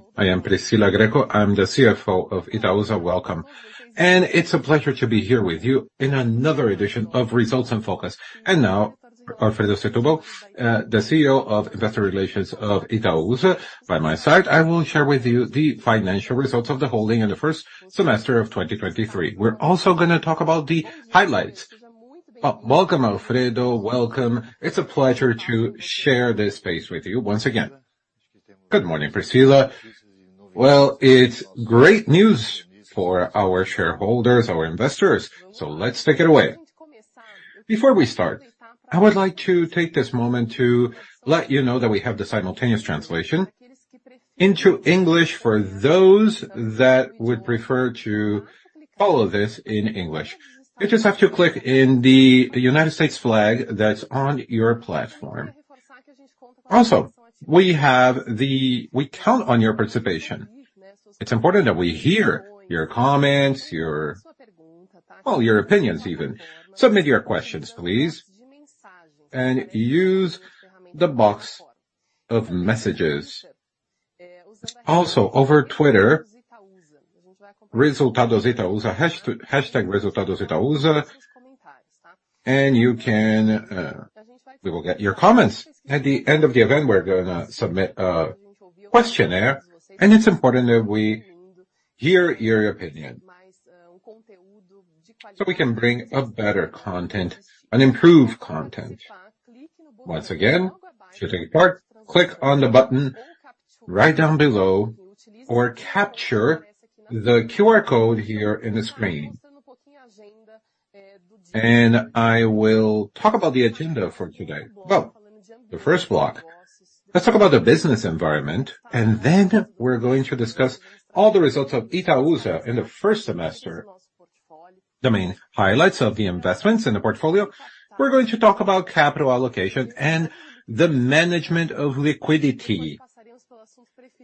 Good morning, I am Priscila Grecco. I'm the CFO of Itaúsa. Welcome. It's a pleasure to be here with you in another edition of Results in Focus. Now, Alfredo Setubal, the CEO of Investor Relations of Itaúsa by my side. I will share with you the financial results of the holding in the first semester of 2023. We're also gonna talk about the highlights. Welcome, Alfredo, welcome. It's a pleasure to share this space with you once again. Good morning, Priscila. Well, it's great news for our shareholders, our investors. Let's take it away. Before we start, I would like to take this moment to let you know that we have the simultaneous translation into English for those that would prefer to follow this in English. You just have to click in the United States flag that's on your platform. We count on your participation. It's important that we hear your comments, your... Well, your opinions even. Submit your questions, please, use the box of messages. Over Twitter, Resultados Itaúsa, hashtag Resultados Itaúsa, you can, we will get your comments. At the end of the event, we're gonna submit a questionnaire, it's important that we hear your opinion, so we can bring a better content, an improved content. Once again, to take part, click on the button right down below, or capture the QR code here on the screen. I will talk about the agenda for today. Well, the first block, let's talk about the business environment, then we're going to discuss all the results of Itaúsa in the first semester. The main highlights of the investments in the portfolio. We're going to talk about capital allocation and the management of liquidity.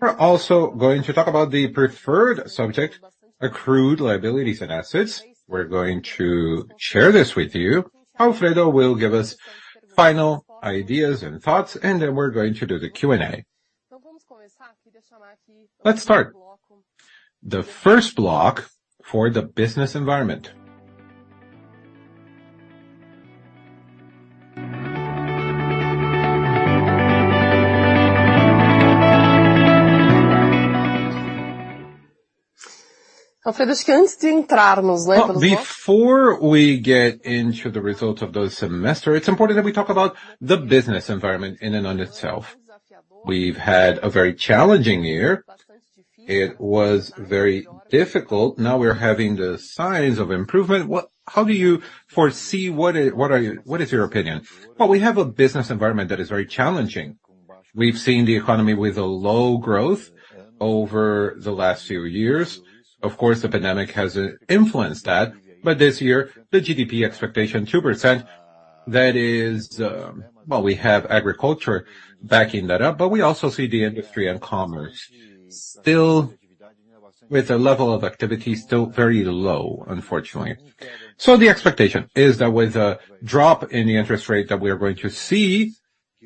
We're also going to talk about the preferred subject, accrued liabilities and assets. We're going to share this with you. Alfredo will give us final ideas and thoughts, and then we're going to do the Q&A. Let's start. The first block for the business environment. Before we get into the results of the semester, it's important that we talk about the business environment in and on itself. We've had a very challenging year. It was very difficult. We're having the signs of improvement. How do you foresee what is, what are you, what is your opinion? Well, we have a business environment that is very challenging. We've seen the economy with a low growth over the last few years. Of course, the pandemic has influenced that, but this year, the GDP expectation, 2%, that is, we have agriculture backing that up, but we also see the industry and commerce still with a level of activity, still very low, unfortunately. The expectation is that with a drop in the interest rate that we are going to see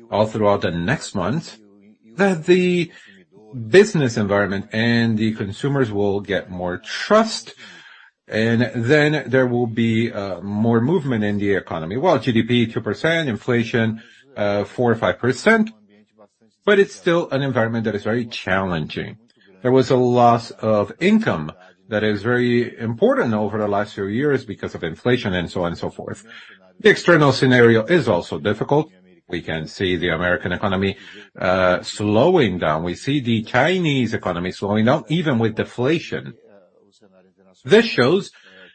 all throughout the next month, that the business environment and the consumers will get more trust, and then there will be more movement in the economy. GDP, 2%, inflation, 4%-5%, but it's still an environment that is very challenging. There was a loss of income that is very important over the last few years because of inflation and so on and so forth. The external scenario is also difficult. We can see the American economy slowing down. We see the Chinese economy slowing down, even with deflation. This shows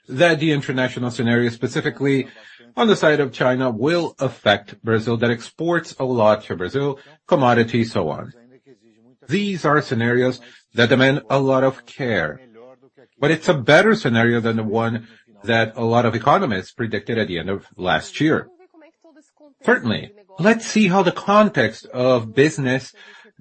that the international scenario, specifically on the side of China, will affect Brazil, that exports a lot to Brazil, commodities, so on. These are scenarios that demand a lot of care, but it's a better scenario than the one that a lot of economists predicted at the end of last year. Certainly. Let's see how the context of business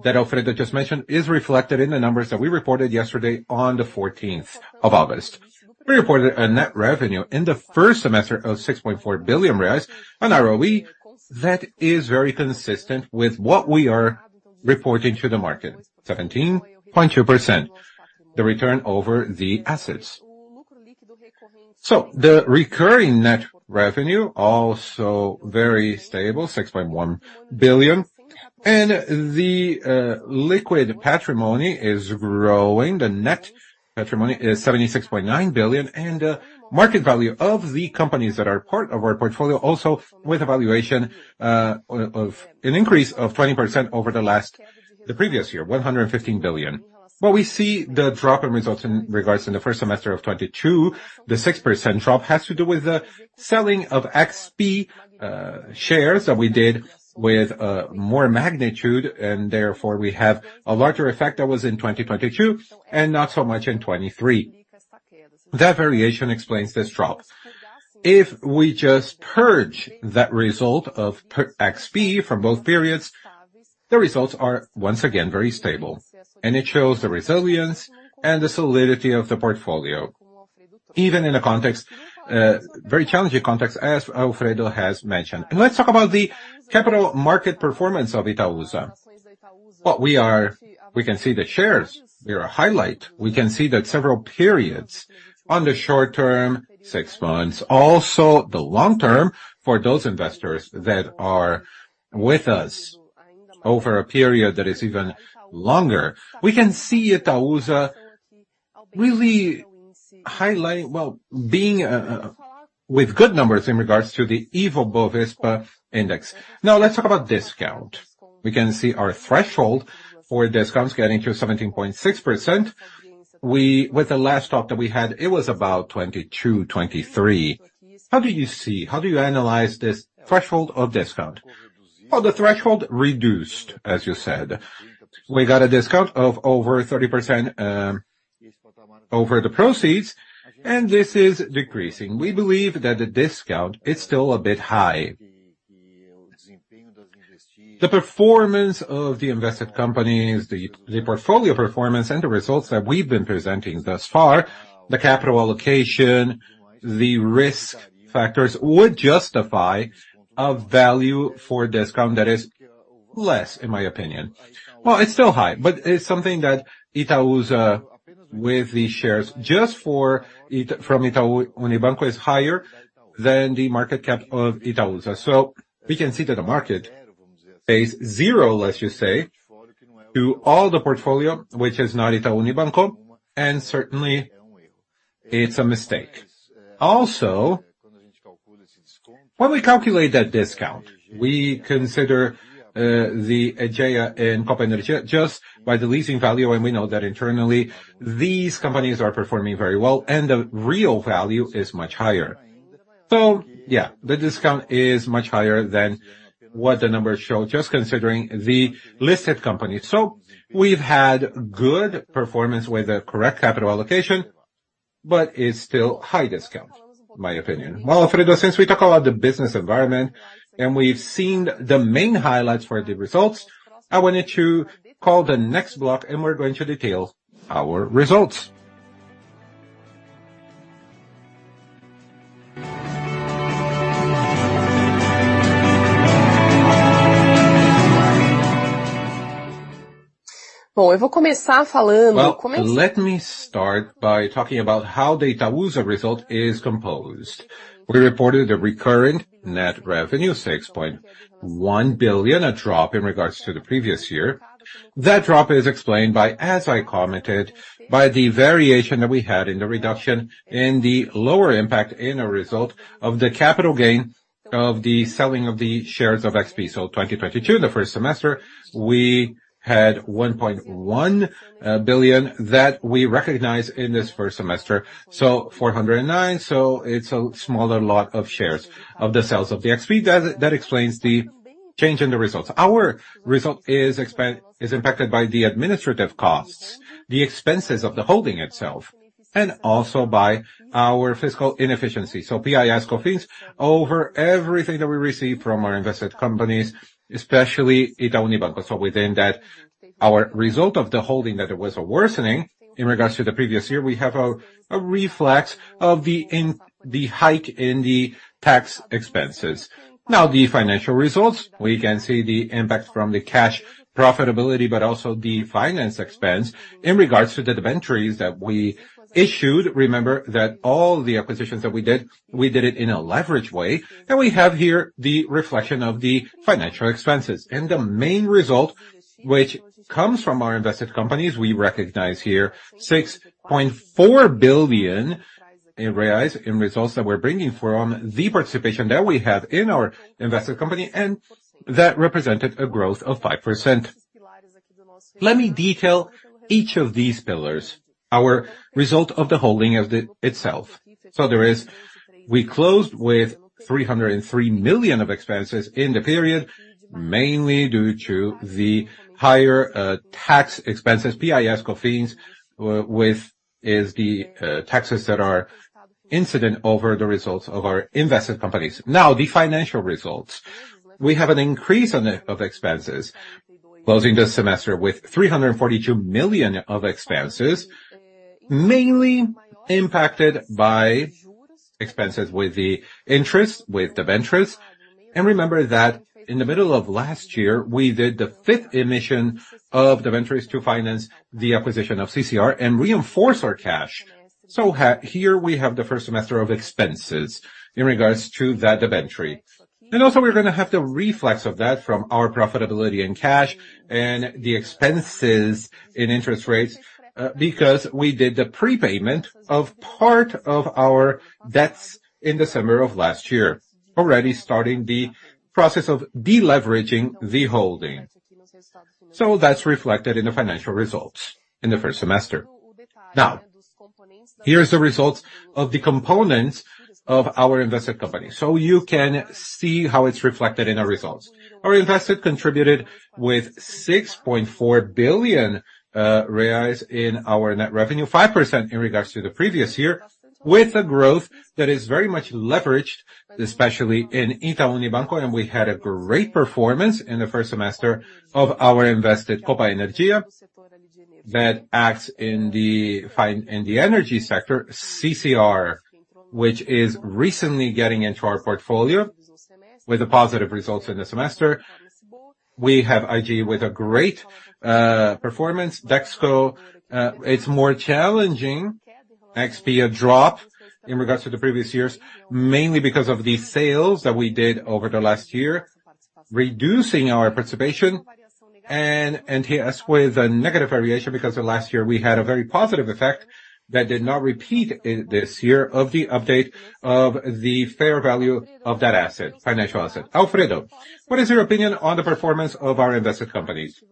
that Alfredo just mentioned is reflected in the numbers that we reported yesterday on the fourteenth of August. We reported a net revenue in the first semester of 6.4 billion reais, an ROE that is very consistent with what we are reporting to the market, 17.2%, the return over the assets. The recurring net revenue, also very stable, 6.1 billion, and the liquid patrimony is growing. The net patrimony is 76.9 billion, and the market value of the companies that are part of our portfolio, also with a valuation of an increase of 20% over the last, the previous year, 115 billion. We see the drop in results in regards in the first semester of 2022. The 6% drop has to do with the selling of XP shares that we did with more magnitude, and therefore, we have a larger effect that was in 2022 and not so much in 2023. That variation explains this drop. If we just purge that result of per XP from both periods, the results are once again very stable, and it shows the resilience and the solidity of the portfolio. Even in a context, very challenging context, as Alfredo has mentioned. Let's talk about the capital market performance of Itaúsa. We can see the shares, they're a highlight. We can see that several periods on the short term, six months, also the long term, for those investors that are with us over a period that is even longer. We can see Itaúsa really highlighting-- well, being with good numbers in regards to the Ibovespa. Now, let's talk about discount. We can see our threshold for discounts getting to 17.6%. With the last talk that we had, it was about 22%-23%. How do you see, how do you analyze this threshold of discount? Well, the threshold reduced, as you said. We got a discount of over 30% over the proceeds, and this is decreasing. We believe that the discount is still a bit high. The performance of the invested companies, the portfolio performance and the results that we've been presenting thus far, the capital allocation, the risk factors would justify a value for discount that is less, in my opinion. Well, it's still high, but it's something that Itaúsa, with the shares just from Itaú Unibanco, is higher than the market cap of Itaúsa. We can see that the market pays 0, let's just say, to all the portfolio, which is not Itaú Unibanco, and certainly it's a mistake. Also, when we calculate that discount, we consider the Aegea and Copa Energia just by the leasing value, and we know that internally, these companies are performing very well, and the real value is much higher. Yeah, the discount is much higher than what the numbers show, just considering the listed company. We've had good performance with the correct capital allocation, but it's still high discount, in my opinion. Alfredo, since we talked about the business environment, and we've seen the main highlights for the results, I wanted to call the next block, and we're going to detail our results. Let me start by talking about how the Itaúsa result is composed. We reported a recurring net revenue of 6.1 billion, a drop in regards to the previous year. That drop is explained by, as I commented, by the variation that we had in the reduction, in the lower impact in a result of the capital gain of the selling of the shares of XP. 2022, the first semester, we had 1.1 billion that we recognized in this first semester, so 409 million. It's a smaller lot of shares of the sales of the XP. That, that explains the change in the results. Our result is impacted by the administrative costs, the expenses of the holding itself, and also by our fiscal inefficiency. PIS/Cofins, over everything that we receive from our invested companies, especially Itaú Unibanco. Within that, our result of the holding that it was a worsening in regards to the previous year, we have a, a reflex of the hike in the tax expenses. The financial results, we can see the impact from the cash profitability, but also the finance expense in regards to the debentures that we issued. That all the acquisitions that we did, we did it in a leveraged way, and we have here the reflection of the financial expenses. The main result, which comes from our invested companies, we recognize here 6.4 billion reais in results that we're bringing from the participation that we have in our invested company, and that represented a growth of 5%. Let me detail each of these pillars. Our result of the holding itself. We closed with 303 million of expenses in the period, mainly due to the higher tax expenses, PIS/Cofins, with is the taxes that are incident over the results of our invested companies. Now, the financial results. We have an increase of expenses, closing the semester with 342 million of expenses, mainly impacted by expenses with the interest, with debentures. Remember that in the middle of last year, we did the 5th emission of debentures to finance the acquisition of CCR and reinforce our cash. Here we have the 1st semester of expenses in regards to that debenture. Also, we are going to have the reflex of that from our profitability and cash and the expenses in interest rates, because we did the prepayment of part of our debts in December of last year, already starting the process of deleveraging the holding. That's reflected in the financial results in the 1st semester. Here's the results of the components of our invested company, so you can see how it's reflected in our results. Our invested contributed with 6.4 billion reais in our net revenue, 5% in regards to the previous year, with a growth that is very much leveraged, especially in Itaú Unibanco, and we had a great performance in the first semester of our invested Copa Energia. That acts in the fine, in the energy sector, CCR, which is recently getting into our portfolio with the positive results in the semester. We have Aegea with a great performance. Dexco, it's more challenging. XP, a drop in regards to the previous years, mainly because of the sales that we did over the last year, reducing our participation and here with a negative variation, because the last year we had a very positive effect that did not repeat in this year, of the update of the fair value of that asset, financial asset. Alfredo, what is your opinion on the performance of our invested companies?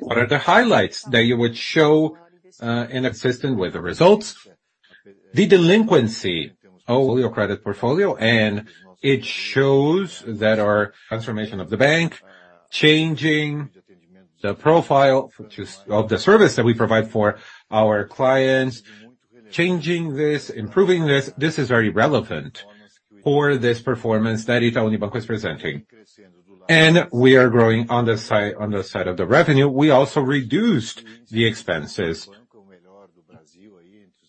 What are the highlights that you would show in assistant with the results? The delinquency of your credit portfolio, it shows that our transformation of the bank, changing the profile of the service that we provide for our clients, changing this, improving this, this is very relevant for this performance that Itaú Unibanco is presenting. We are growing on the side, on the side of the revenue, we also reduced the expenses.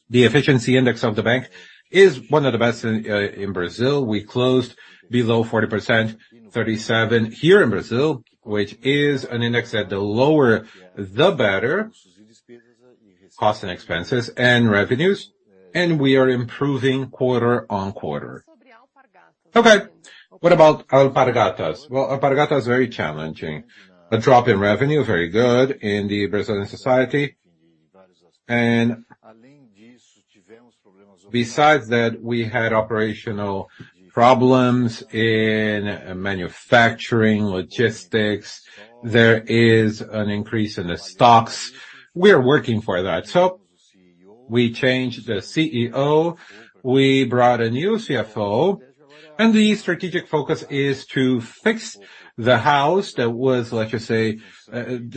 The efficiency index of the bank is one of the best in Brazil. We closed below 40%, 37 here in Brazil, which is an index that the lower, the better. Cost and expenses and revenues, we are improving quarter on quarter. Okay, what about Alpargatas? Well, Alpargatas is very challenging. A drop in revenue, very good in the Brazilian society. Besides that, we had operational problems in manufacturing, logistics. There is an increase in the stocks. We are working for that. We changed the CEO, we brought a new CFO, and the strategic focus is to fix the house. That was, like you say,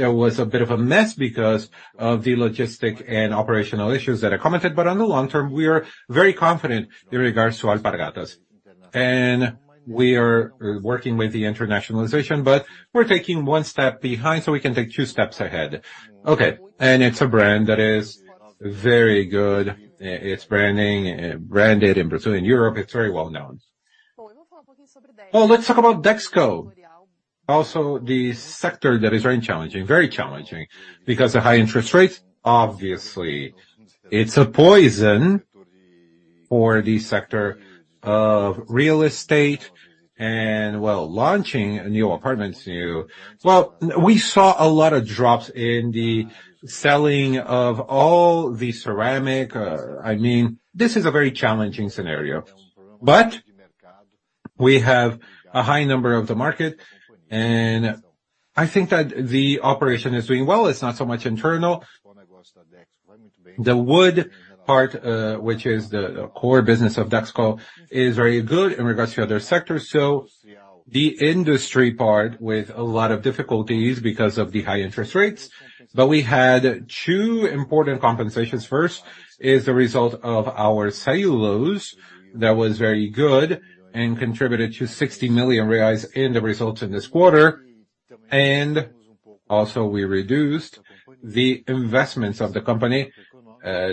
there was a bit of a mess because of the logistic and operational issues that I commented. On the long term, we are very confident in regards to Alpargatas. We are working with the internationalization, but we're taking one step behind, so we can take two steps ahead. Okay, it's a brand that is very good. It's branding, branded in Brazil and Europe, it's very well known. Well, let's talk about Dexco. Also, the sector that is very challenging, very challenging, because the high interest rates, obviously, it's a poison for the sector of real estate and well, launching new apartments, new... Well, we saw a lot of drops in the selling of all the ceramic, I mean, this is a very challenging scenario. We have a high number of the market, and I think that the operation is doing well. It's not so much internal. The wood part, which is the core business of Dexco, is very good in regards to other sectors. The industry part with a lot of difficulties because of the high interest rates, but we had two important compensations. First, is the result of our cellulose. That was very good and contributed to 60 million reais in the results in this quarter. Also, we reduced the investments of the company,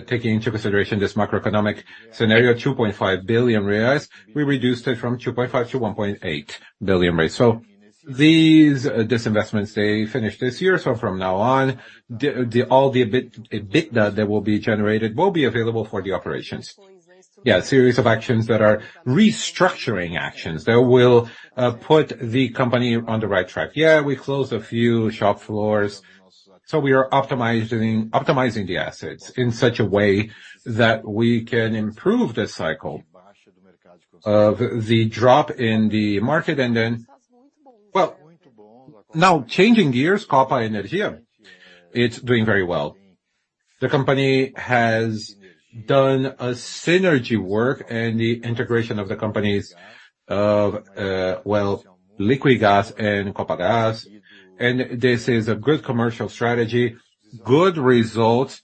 taking into consideration this macroeconomic scenario, 2.5 billion reais. We reduced it from 2.5 billion to 1.8 billion reais. These disinvestments, they finish this year. From now on, all the EBIT, EBITDA that will be generated, will be available for the operations. A series of actions that are restructuring actions, that will put the company on the right track. We closed a few shop floors, so we are optimizing, optimizing the assets in such a way that we can improve the cycle of the drop in the market. Changing gears, Copa Energia, it's doing very well. The company has done a synergy work and the integration of the companies of Liquigás and Copagaz. This is a good commercial strategy, good results.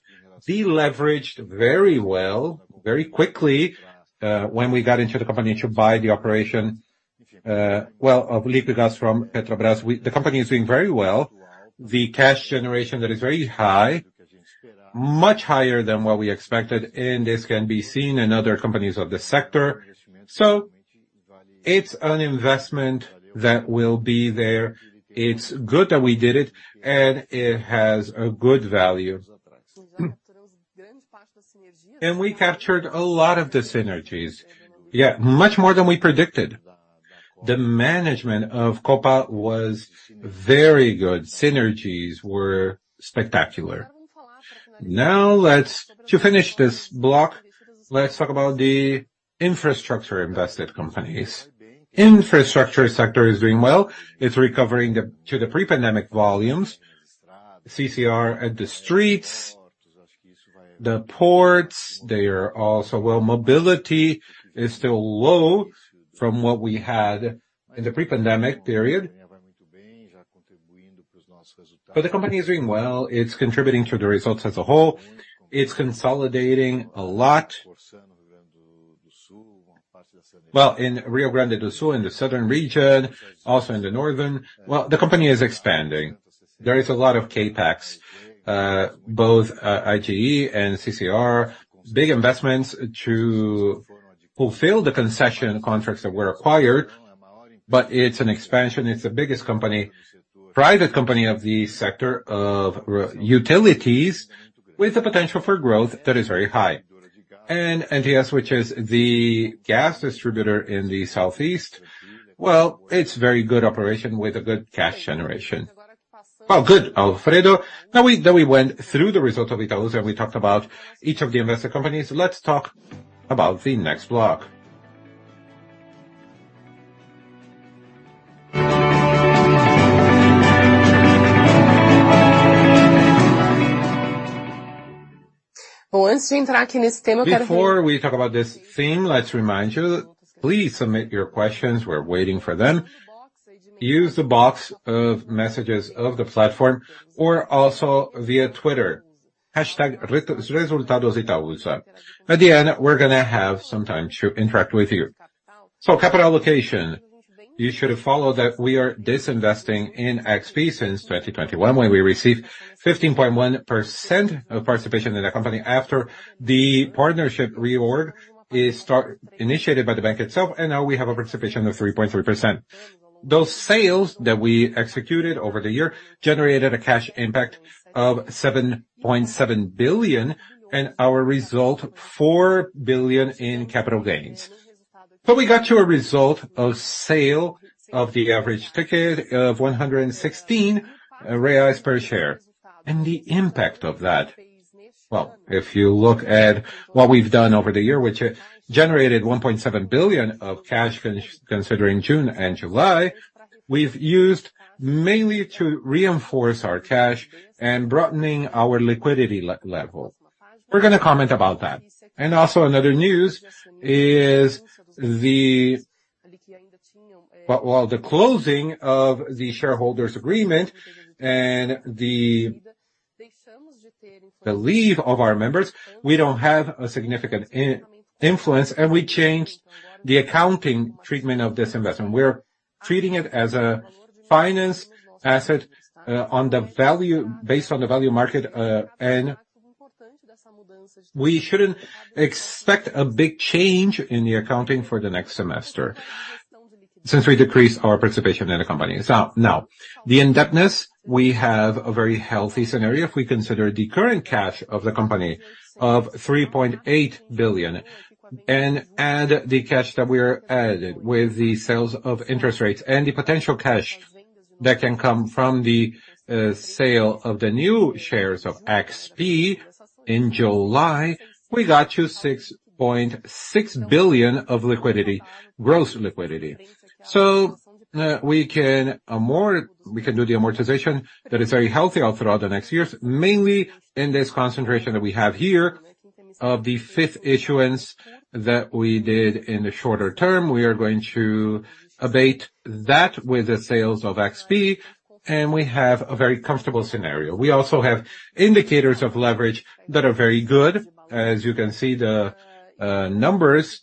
Deleveraged very well, very quickly, when we got into the company to buy the operation, well, of Liquigás from Petrobras, we. The company is doing very well. The cash generation that is very high, much higher than what we expected, and this can be seen in other companies of the sector. It's an investment that will be there. It's good that we did it, and it has a good value. We captured a lot of the synergies. Yeah, much more than we predicted. The management of Copa was very good. Synergies were spectacular. To finish this block, let's talk about the infrastructure invested companies. Infrastructure sector is doing well. It's recovering the, to the pre-pandemic volumes, CCR at the streets, the ports, they are also. Well, mobility is still low from what we had in the pre-pandemic period. The company is doing well. It's contributing to the results as a whole. It's consolidating a lot. Well, in Rio Grande do Sul, in the southern region, also in the northern, well, the company is expanding. There is a lot of CapEx, both IGE and CCR, big investments to fulfill the concession contracts that were acquired, but it's an expansion. It's the biggest company, private company of the sector of utilities, with the potential for growth that is very high. NTS, which is the gas distributor in the Southeast, well, it's very good operation with a good cash generation. Well, good, Alfredo. Now we went through the results of Itaú, and we talked about each of the investor companies. Let's talk about the next block. Before we talk about this theme, let's remind you, please submit your questions. We're waiting for them. Use the box of messages of the platform, or also via Twitter, #ResultadosItaú. At the end, we're going to have some time to interact with you. Capital allocation. You should have followed that we are disinvesting in XP since 2021, when we received 15.1% of participation in the company after the partnership reorg initiated by the bank itself, and now we have a participation of 3.3%. Those sales that we executed over the year generated a cash impact of 7.7 billion, and our result, 4 billion in capital gains. We got to a result of sale of the average ticket of 116 reais per share. The impact of that, well, if you look at what we've done over the year, which generated 1.7 billion of cash considering June and July, we've used mainly to reinforce our cash and broadening our liquidity level. We're gonna comment about that. Also another news is the Well, well, the closing of the shareholders' agreement and the, the leave of our members, we don't have a significant influence, and we changed the accounting treatment of this investment. We're treating it as a finance asset, on the value based on the value market, and we shouldn't expect a big change in the accounting for the next semester since we decreased our participation in the company. Now, the indebtedness, we have a very healthy scenario. If we consider the current cash of the company of 3.8 billion, and add the cash that we are added with the sales of interest rates and the potential cash that can come from the sale of the new shares of XP in July, we got to 6.6 billion of liquidity, gross liquidity. We can do the amortization that is very healthy all throughout the next years, mainly in this concentration that we have here of the 5th issuance that we did in the shorter term. We are going to abate that with the sales of XP, and we have a very comfortable scenario. We also have indicators of leverage that are very good. As you can see, the numbers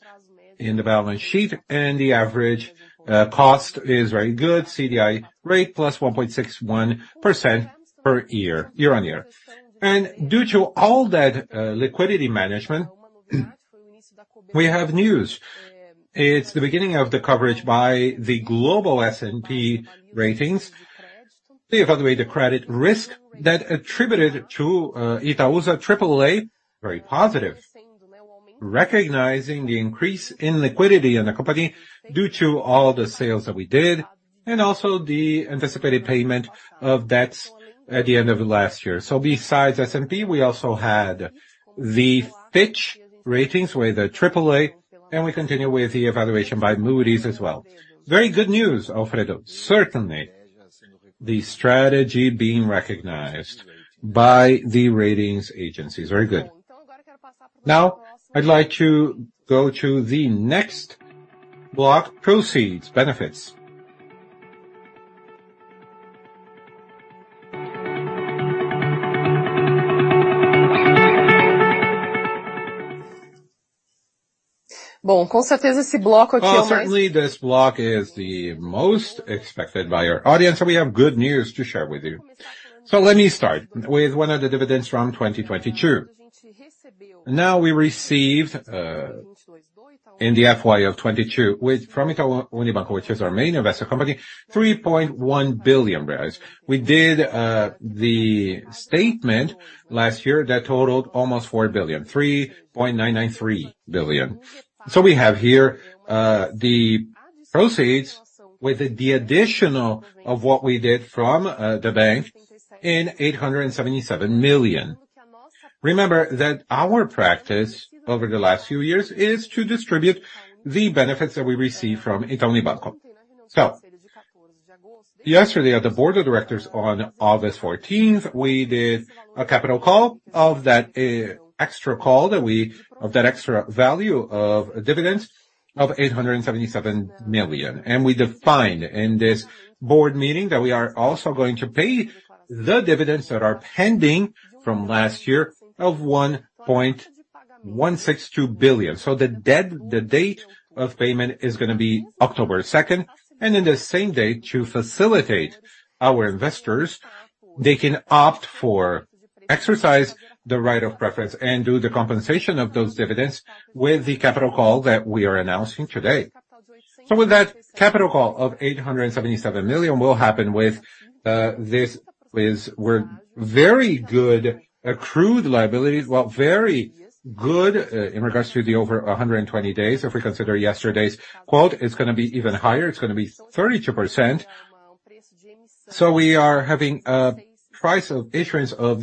in the balance sheet and the average cost is very good, CDI rate, plus 1.61% per year, year-on-year. Due to all that liquidity management, we have news. It's the beginning of the coverage by S&P Global Ratings. They evaluate the credit risk that attributed to Itaú is a triple A, very positive, recognizing the increase in liquidity in the company due to all the sales that we did, and also the anticipated payment of debts at the end of last year. Besides S&P, we also had the Fitch Ratings with a triple A, and we continue with the evaluation by Moody's as well. Very good news, Alfredo. Certainly, the strategy being recognized by the ratings agencies. Very good. Now, I'd like to go to the next block: Proceeds, benefits. Well, certainly, this block is the most expected by our audience, and we have good news to share with you. Let me start with one of the dividends from 2022. Now, we received in the FY of 22, with from Itaú Unibanco, which is our main investor company, 3.1 billion reais. We did the statement last year that totaled almost 4 billion, 3.993 billion. We have here the proceeds with the additional of what we did from the bank in 877 million. Remember that our practice over the last few years is to distribute the benefits that we receive from Itaú Unibanco. Yesterday, at the board of directors on August 14th, we did a capital call of that extra call of that extra value of dividends of 877 million. We defined in this board meeting that we are also going to pay the dividends that are pending from last year of 1.2-... 1.62 billion. The dead, the date of payment is gonna be October 2nd, and in the same day, to facilitate our investors, they can opt for exercise the right of preference and do the compensation of those dividends with the capital call that we are announcing today. With that capital call of 877 million will happen with we're very good accrued liabilities. Well, very good in regards to the over 120 days. If we consider yesterday's quote, it's gonna be even higher. It's gonna be 32%. We are having a price of issuance of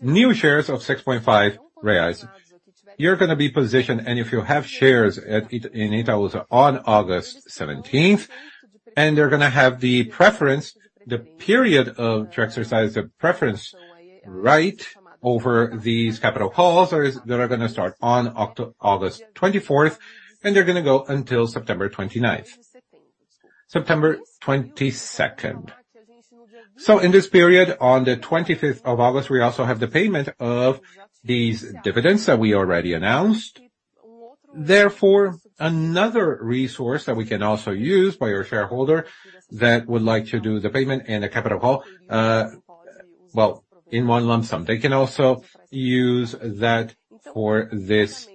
new shares of R$6.5. You're gonna be positioned, if you have shares at, in Itaú on August 17th, they're gonna have the preference, the period to exercise the preference right over these capital calls, they are gonna start on August 24th, they're gonna go until September 29th. September 22nd. In this period, on the 25th of August, we also have the payment of these dividends that we already announced. Therefore, another resource that we can also use by our shareholder that would like to do the payment and a capital call, well, in one lump sum, they can also use that for this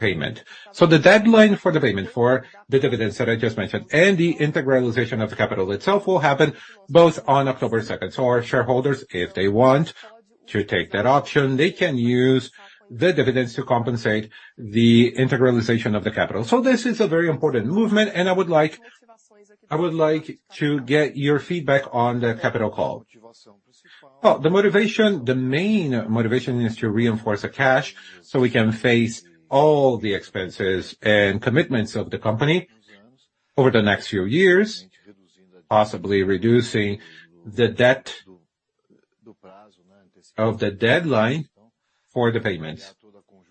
payment. The deadline for the payment for the dividends that I just mentioned, and the integralization of the capital itself will happen both on October 2nd. Our shareholders, if they want to take that option, they can use the dividends to compensate the integralization of the capital. This is a very important movement, and I would like to get your feedback on the capital call. Well, the motivation, the main motivation is to reinforce the cash, so we can face all the expenses and commitments of the company over the next few years, possibly reducing the debt of the deadline for the payments.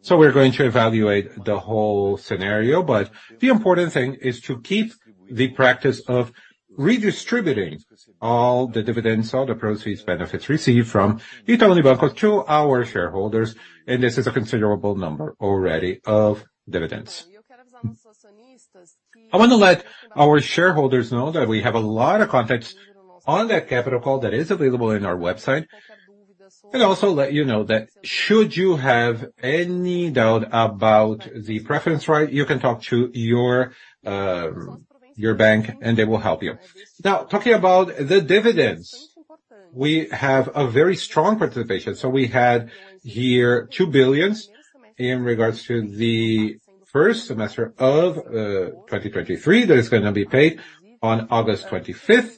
We're going to evaluate the whole scenario, but the important thing is to keep the practice of redistributing all the dividends, all the proceeds, benefits received from Itaú Unibanco to our shareholders, and this is a considerable number already of dividends. I want to let our shareholders know that we have a lot of content on that capital call that is available on our website. Also let you know that should you have any doubt about the preference right, you can talk to your bank, and they will help you. Now, talking about the dividends, we have a very strong participation. We had here 2 billion in regards to the first semester of 2023. That is gonna be paid on August 25th.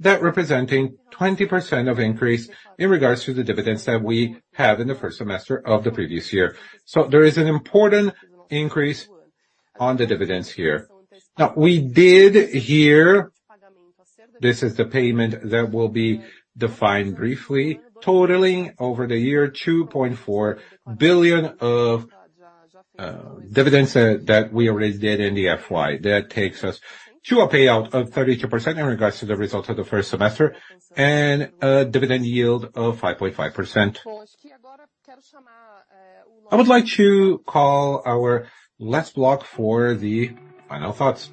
That representing 20% of increase in regards to the dividends that we had in the first semester of the previous year. There is an important increase on the dividends here. We did here, this is the payment that will be defined briefly, totaling over the year 2.4 billion of dividends that, that we already did in the FY. That takes us to a payout of 32% in regards to the results of the first semester and a dividend yield of 5.5%. I would like to call our last block for the final thoughts.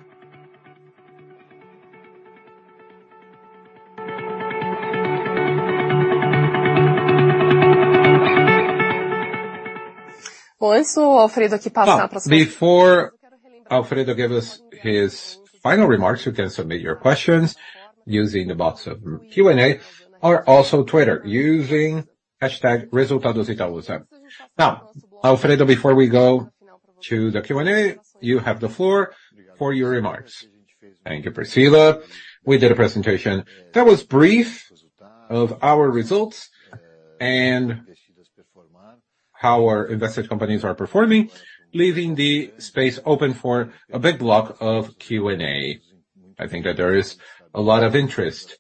Alfredo gave us his final remarks, you can submit your questions using the box of Q&A or also Twitter using #ResultadosItaúsa. Alfredo, before we go to the Q&A, you have the floor for your remarks. Thank you, Priscila. We did a presentation that was brief of our results and how our invested companies are performing, leaving the space open for a big block of Q&A. I think that there is a lot of interest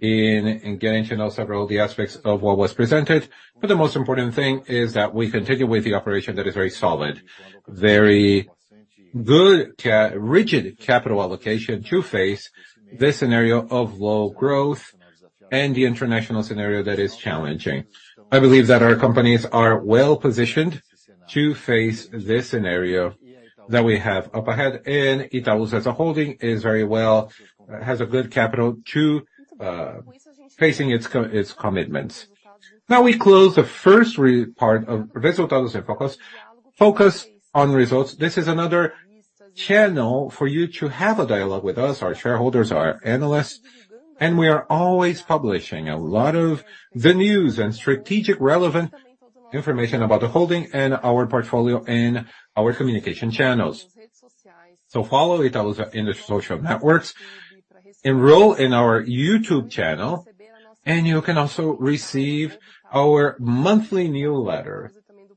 in, in getting to know several of the aspects of what was presented, but the most important thing is that we continue with the operation that is very solid, very good rigid capital allocation to face this scenario of low growth and the international scenario that is challenging. I believe that our companies are well-positioned to face this scenario that we have up ahead. Itaú as a holding is very well, has a good capital to facing its commitments. Now, we close the first part of Resultados e Focus, focus on results. This is another channel for you to have a dialogue with us, our shareholders, our analysts, and we are always publishing a lot of the news and strategic, relevant information about the holding and our portfolio and our communication channels. Follow Itaúsa in the social networks, enroll in our YouTube channel, and you can also receive our monthly newsletter,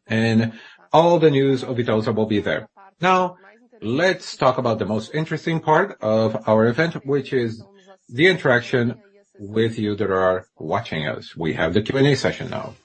and all the news of Itaúsa will be there. Now, let's talk about the most interesting part of our event, which is the interaction with you that are watching us. We have the Q&A session now.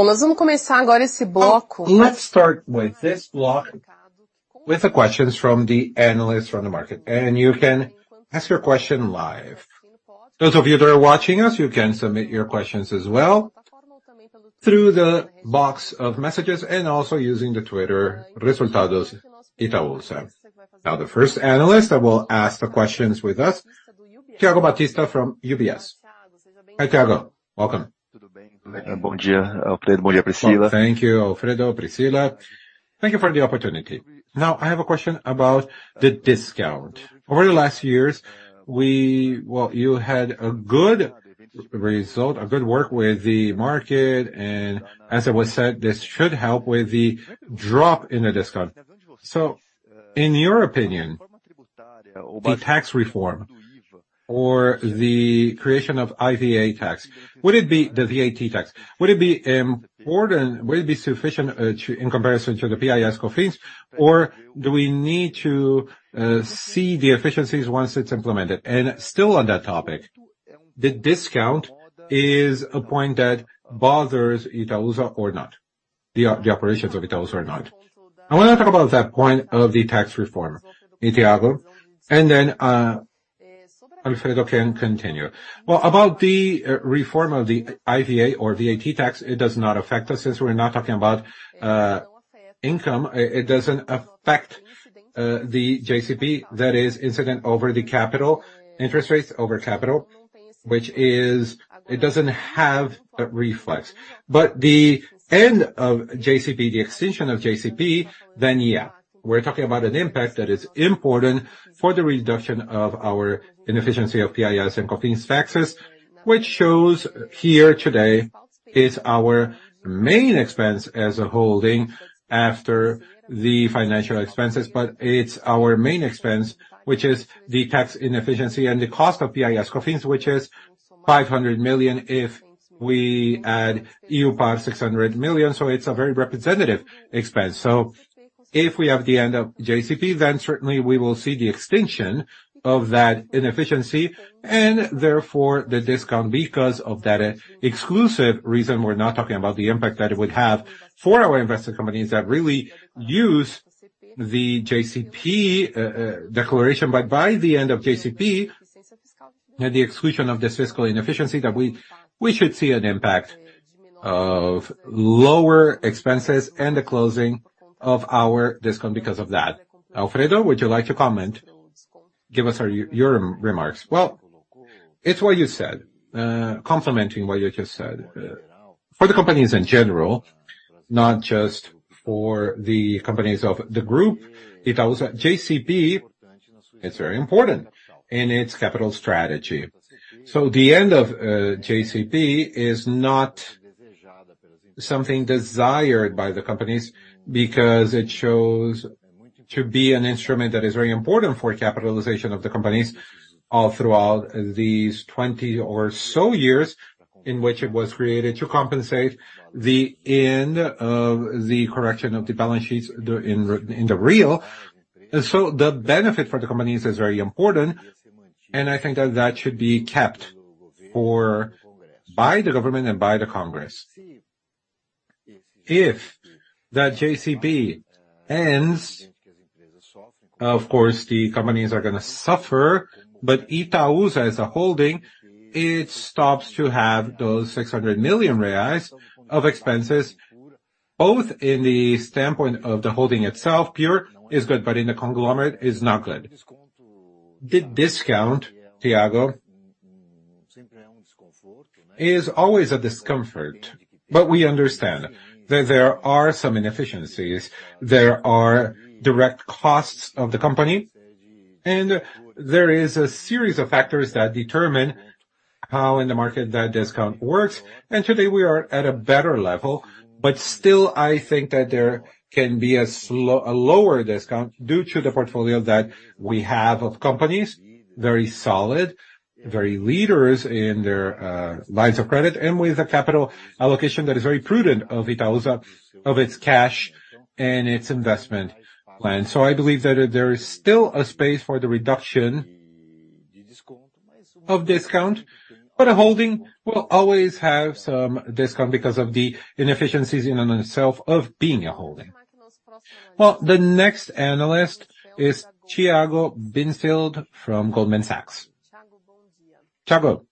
Well, nós vamos começar agora esse bloco- Let's start with this block, with the questions from the analysts from the market, and you can ask your question live. Those of you that are watching us, you can submit your questions as well, through the box of messages and also using the Twitter Resultados Itaúsa. Now, the first analyst that will ask the questions with us, Thiago Batista from UBS. Hi, Thiago. Welcome! Bom dia, Alfredo. Bom dia, Priscila. Thank you, Alfredo, Priscila. Thank you for the opportunity. I have a question about the discount. Over the last years, we-- Well, you had a good result, a good work with the market, and as it was said, this should help with the drop in the discount. In your opinion, the tax reform or the creation of IVA tax, would it be the VAT tax? Would it be important-- Would it be sufficient to, in comparison to the PIS/Cofins, or do we need to see the efficiencies once it's implemented? Still on that topic, the discount is a point that bothers Itaúsa or not? The, the operations of Itaúsa or not. I want to talk about that point of the tax reform, Thiago, and then Alfredo can continue. Well, about the reform of the IVA or VAT tax, it does not affect us, since we're not talking about income. It doesn't affect the JCP, that is incident over the capital, interest rates over capital, which is... It doesn't have a reflex. The end of JCP, the extinction of JCP, then, yeah, we're talking about an impact that is important for the reduction of our inefficiency of PIS/Cofins taxes, which shows here today is our main expense as a holding after the financial expenses. It's our main expense, which is the tax inefficiency and the cost of PIS/Cofins, which is 500 million, if we add Itaúsa, 600 million. It's a very representative expense. If we have the end of JCP, then certainly we will see the extinction of that inefficiency and therefore, the discount, because of that exclusive reason, we're not talking about the impact that it would have for our investor companies that really use the JCP declaration. By the end of JCP, the exclusion of this fiscal inefficiency, that we should see an impact of lower expenses and the closing of our discount because of that. Alfredo, would you like to comment? Give us your remarks. Well, it's what you said, complementing what you just said. For the companies in general, not just for the companies of the group, Itaúsa, JCP is very important in its capital strategy. The end of JCP is not something desired by the companies, because it shows to be an instrument that is very important for capitalization of the companies, all throughout these 20 or so years, in which it was created to compensate the end of the correction of the balance sheets in the real. The benefit for the companies is very important, and I think that that should be kept by the government and by the Congress. If the JCP ends, of course, the companies are gonna suffer, but Itaúsa, as a holding, it stops to have those 600 million reais of expenses, both in the standpoint of the holding itself, pure is good, but in the conglomerate is not good. The discount, Thiago, is always a discomfort, but we understand that there are some inefficiencies, there are direct costs of the company, and there is a series of factors that determine how in the market that discount works. Today, we are at a better level, but still, I think that there can be a lower discount due to the portfolio that we have of companies, very solid, very leaders in their lines of credit, and with a capital allocation that is very prudent of Itaúsa, of its cash and its investment plan. I believe that there is still a space for the reduction of discount, but a holding will always have some discount because of the inefficiencies in on itself of being a holding. The next analyst is Thiago Bortoluci from Goldman Sachs. Thiago..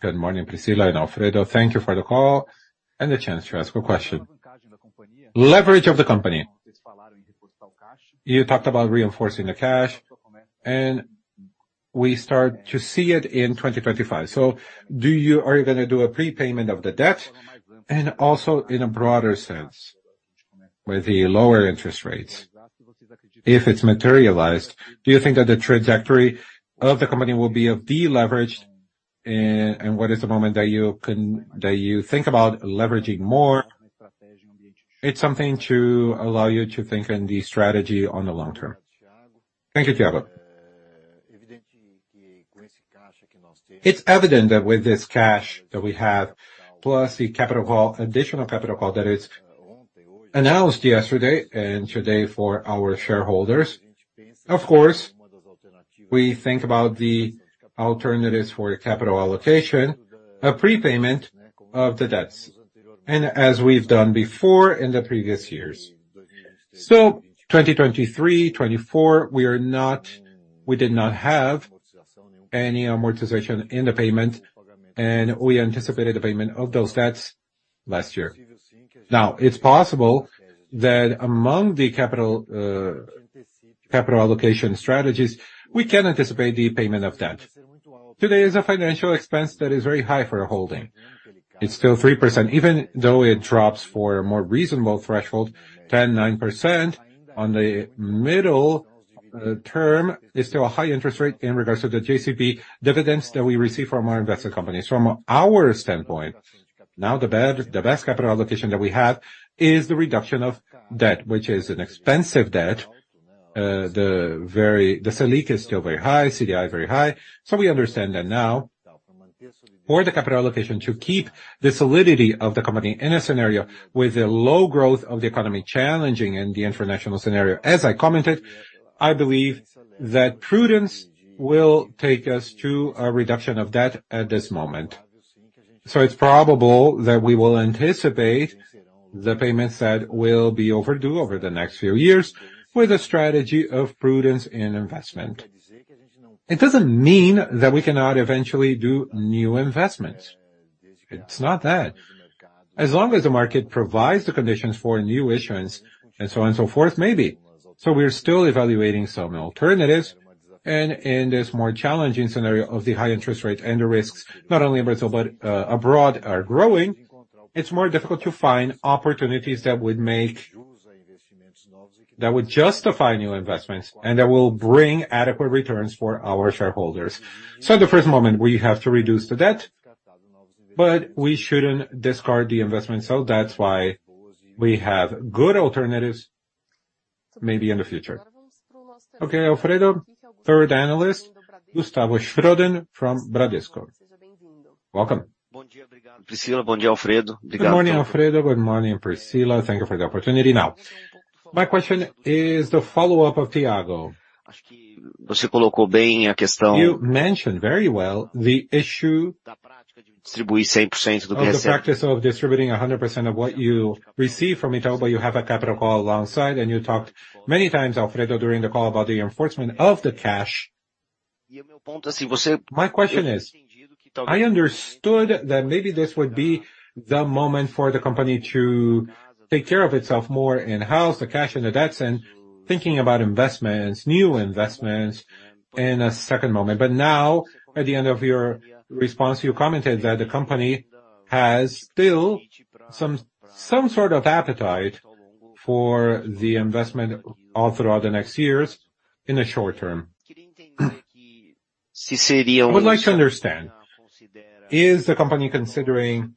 .Good morning, Priscila and Alfredo. Thank you for the call and the chance to ask a question. Leverage of the company. You talked about reinforcing the cash, and we start to see it in 2025. Are you gonna do a prepayment of the debt? Also in a broader sense, with the lower interest rates, if it's materialized, do you think that the trajectory of the company will be of deleveraged, and what is the moment that you think about leveraging more? It's something to allow you to think in the strategy on the long term. Thank you, Thiago. It's evident that with this cash that we have, plus the capital call, additional capital call, that is announced yesterday and today for our shareholders. Of course, we think about the alternatives for capital allocation, a prepayment of the debts, and as we've done before in the previous years. 2023, 2024, we did not have any amortization in the payment, and we anticipated the payment of those debts last year. Now, it's possible that among the capital, capital allocation strategies, we can anticipate the payment of debt. Today is a financial expense that is very high for a holding. It's still 3%, even though it drops for a more reasonable threshold, 10%, 9% on the middle term, is still a high interest rate in regards to the JCP dividends that we receive from our investor companies. From our standpoint, now, the best capital allocation that we have is the reduction of debt, which is an expensive debt. The Selic is still very high, CDI, very high. We understand that now, for the capital allocation, to keep the solidity of the company in a scenario with a low growth of the economy, challenging and the international scenario, as I commented, I believe that prudence will take us to a reduction of debt at this moment. It's probable that we will anticipate the payments that will be overdue over the next few years with a strategy of prudence and investment. It doesn't mean that we cannot eventually do new investments. It's not that. As long as the market provides the conditions for new issuance and so on and so forth, maybe. We are still evaluating some alternatives, and, and it's more challenging scenario of the high interest rates and the risks, not only in Brazil, but abroad, are growing. It's more difficult to find opportunities that would make... That would justify new investments, and that will bring adequate returns for our shareholders. The first moment, we have to reduce the debt, but we shouldn't discard the investment. That's why we have good alternatives, maybe in the future. Okay, Alfredo, third analyst, Gustavo Schroden from Bradesco. Welcome. Good morning, Alfredo. Good morning, Priscila. Thank you for the opportunity. Now, my question is the follow-up of Thiago. You mentioned very well the issue of the practice of distributing 100% of what you receive from Itaú, but you have a capital call alongside, and you talked many times, Alfredo, during the call about the enforcement of the cash. My question is, I understood that maybe this would be the moment for the company to take care of itself, more in-house, the cash and the debts, and thinking about investments, new investments, in a second moment. Now, at the end of your response, you commented that the company has still some sort of appetite for the investment all throughout the next years in the short term. I would like to understand, is the company considering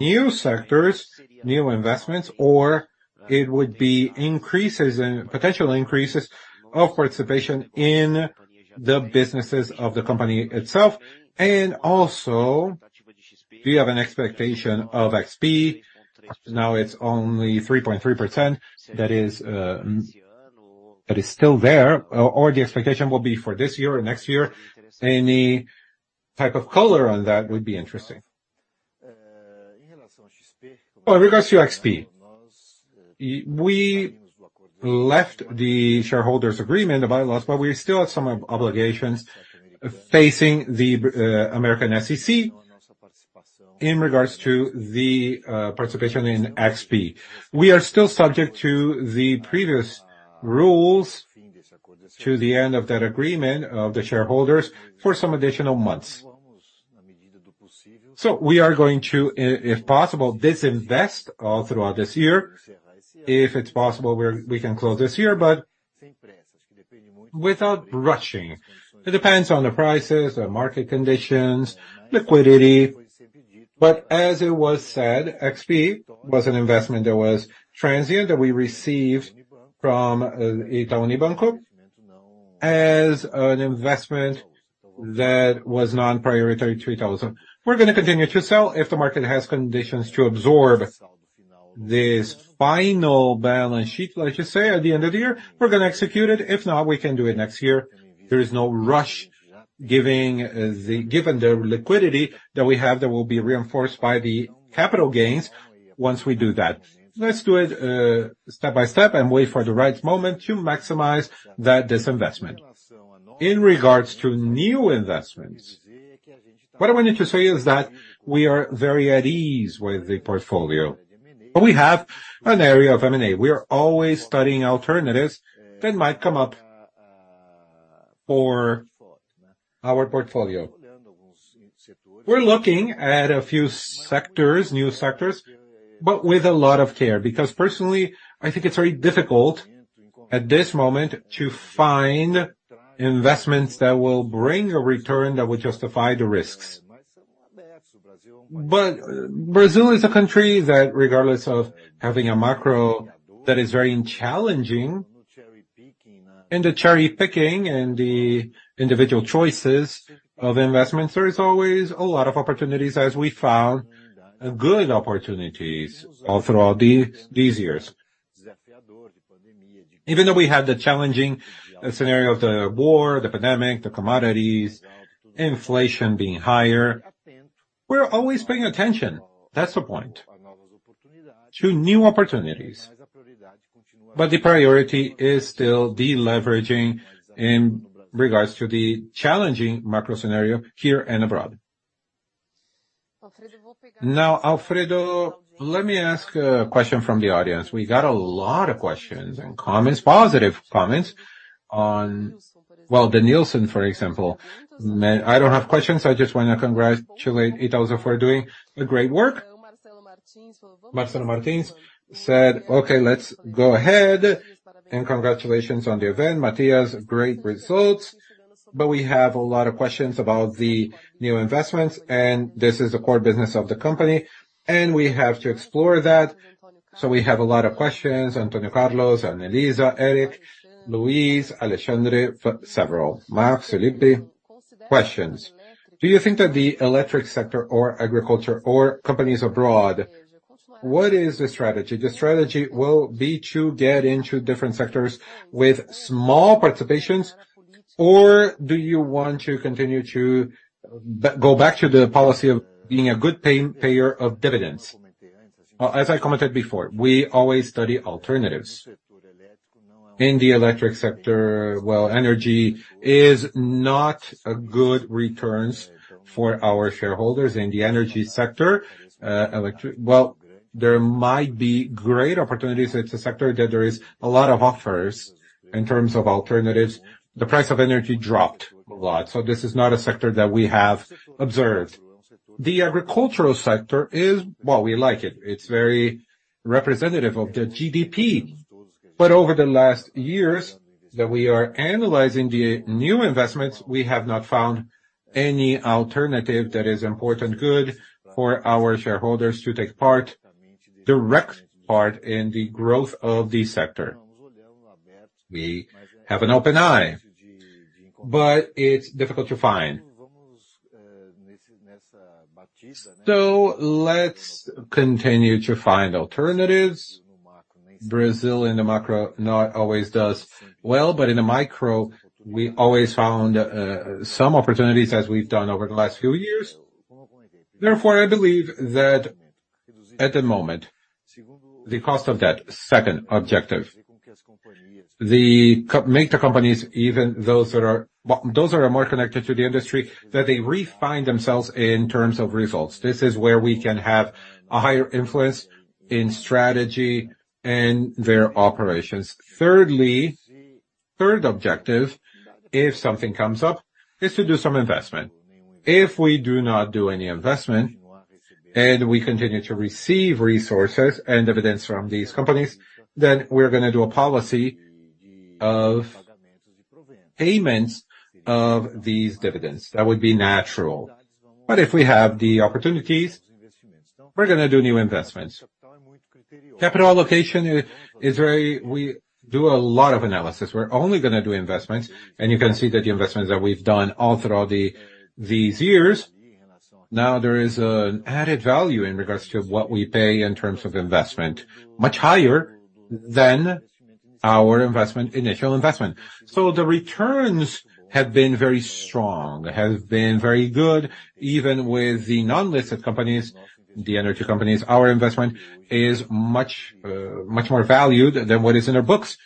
new sectors, new investments, or it would be increases and potential increases of participation in the businesses of the company itself? Also, do you have an expectation of XP? Now, it's only 3.3%. That is, that is still there, or the expectation will be for this year or next year. Any type of color on that would be interesting. In regards to XP, we left the shareholders agreement, the bylaws, we still have some obligations facing the U.S. SEC in regards to the participation in XP. We are still subject to the previous rules, to the end of that agreement of the shareholders for some additional months. We are going to, i-if possible, disinvest all throughout this year. If it's possible, we're-- we can close this year, but without rushing. It depends on the prices, the market conditions, liquidity. As it was said, XP was an investment that was transient, that we received from Itaú Unibanco, as an investment that was non-priority to Itaú. We're gonna continue to sell if the market has conditions to absorb this final balance sheet. Let's just say at the end of the year, we're gonna execute it. If not, we can do it next year. There is no rush, given the liquidity that we have, that will be reinforced by the capital gains. Once we do that, let's do it step by step and wait for the right moment to maximize that disinvestment. In regards to new investments, what I wanted to say is that we are very at ease with the portfolio, but we have an area of M&A. We are always studying alternatives that might come up for our portfolio. We're looking at a few sectors, new sectors, but with a lot of care, because personally, I think it's very difficult at this moment to find investments that will bring a return that will justify the risks. Brazil is a country that, regardless of having a macro that is very challenging, and the cherry picking and the individual choices of investments, there is always a lot of opportunities, as we found good opportunities all throughout these, these years. Even though we had the challenging scenario of the war, the pandemic, the commodities, inflation being higher, we're always paying attention, that's the point, to new opportunities. The priority is still deleveraging in regards to the challenging macro scenario here and abroad. Alfredo, let me ask a question from the audience. We got a lot of questions and comments, positive comments on... Well, Denilson, for example, "I don't have questions. I just want to congratulate Itaú for doing a great work." Marcelo Martins said, "Okay, let's go ahead, and congratulations on the event. Matias, great results. We have a lot of questions about the new investments, and this is the core business of the company, and we have to explore that. We have a lot of questions, Antonio Carlos, Annelisa, Eric, Luis, Alexandre, several. Mark Felipe. Questions: Do you think that the electric sector or agriculture or companies abroad, what is the strategy? The strategy will be to get into different sectors with small participations, or do you want to continue to go back to the policy of being a good pay-payer of dividends? As I commented before, we always study alternatives. In the electric sector, well, energy is not a good returns for our shareholders. In the energy sector, well, there might be great opportunities. It's a sector that there is a lot of offers in terms of alternatives. The price of energy dropped a lot, this is not a sector that we have observed. The agricultural sector, well, we like it. It's very representative of the GDP, over the last years that we are analyzing the new investments, we have not found any alternative that is important, good for our shareholders to take part, direct part in the growth of the sector. We have an open eye, it's difficult to find. Let's continue to find alternatives. Brazil, in the macro, not always does well, in the micro, we always found some opportunities, as we've done over the last few years. Therefore, I believe that at the moment, the cost of that second objective, the make the companies, even those that are. Well, those that are more connected to the industry, that they refine themselves in terms of results. This is where we can have a higher influence in strategy and their operations. Thirdly, third objective, if something comes up, is to do some investment. We do not do any investment, and we continue to receive resources and dividends from these companies, then we're gonna do a policy of payments of these dividends. That would be natural. If we have the opportunities, we're gonna do new investments. Capital allocation is very. We do a lot of analysis. We're only gonna do investments, and you can see that the investments that we've done all throughout these years, now there is an added value in regards to what we pay in terms of investment, much higher than our investment, initial investment. The returns have been very strong, have been very good, even with the non-listed companies, the energy companies. Our investment is much, much more valued than what is in our books.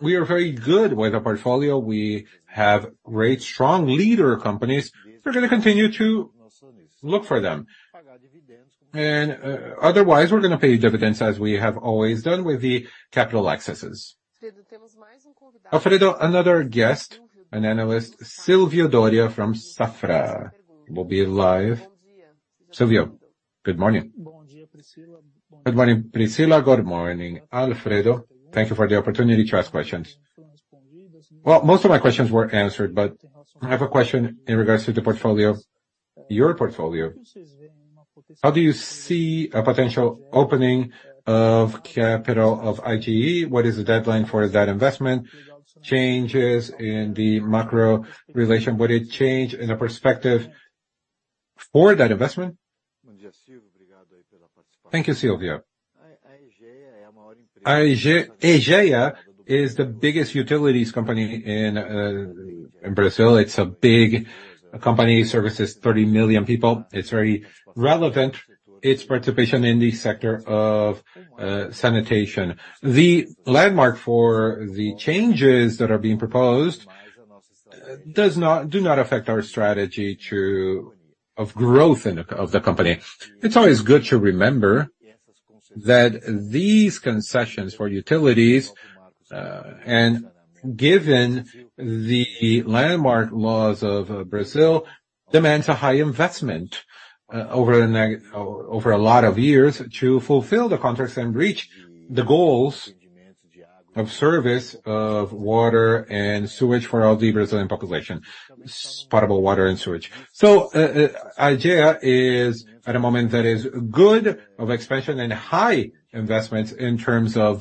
We are very good with our portfolio. We have great, strong leader companies. We're gonna continue to look for them. Otherwise, we're gonna pay dividends, as we have always done with the capital accesses. Alfredo, another guest, an analyst, Silvio Dória from Safra, will be live. Silvio, good morning. Good morning, Priscila. Good morning, Alfredo. Thank you for the opportunity to ask questions. Well, most of my questions were answered, but I have a question in regards to the portfolio, your portfolio. How do you see a potential opening of capital of Aegea? What is the deadline for that investment? Changes in the macro relation, would it change in a perspective for that investment? Thank you, Silvio. Aegea is the biggest utilities company in, in Brazil. It's a big company, services 30 million people. It's very relevant, its participation in the sector of sanitation. The landmark for the changes that are being proposed, do not affect our strategy to, of growth in, of the company. It's always good to remember, that these concessions for utilities, and given the landmark laws of Brazil, demands a high investment, over a lot of years to fulfill the contracts and reach the goals of service, of water and sewage for all the Brazilian population, potable water and sewage. Aegea is at a moment that is good of expansion and high investments in terms of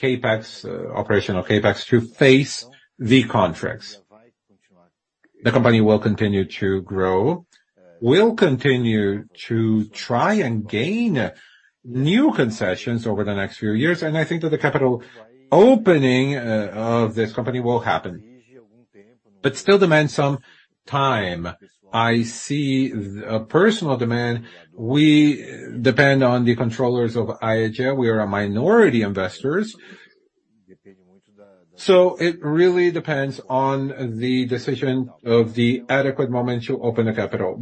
CapEx, operational CapEx, to face the contracts. The company will continue to grow, will continue to try and gain new concessions over the next few years, and I think that the capital opening of this company will happen, but still demands some time. I see a personal demand. We depend on the controllers of Aegea. We are a minority investors, so it really depends on the decision of the adequate moment to open the capital.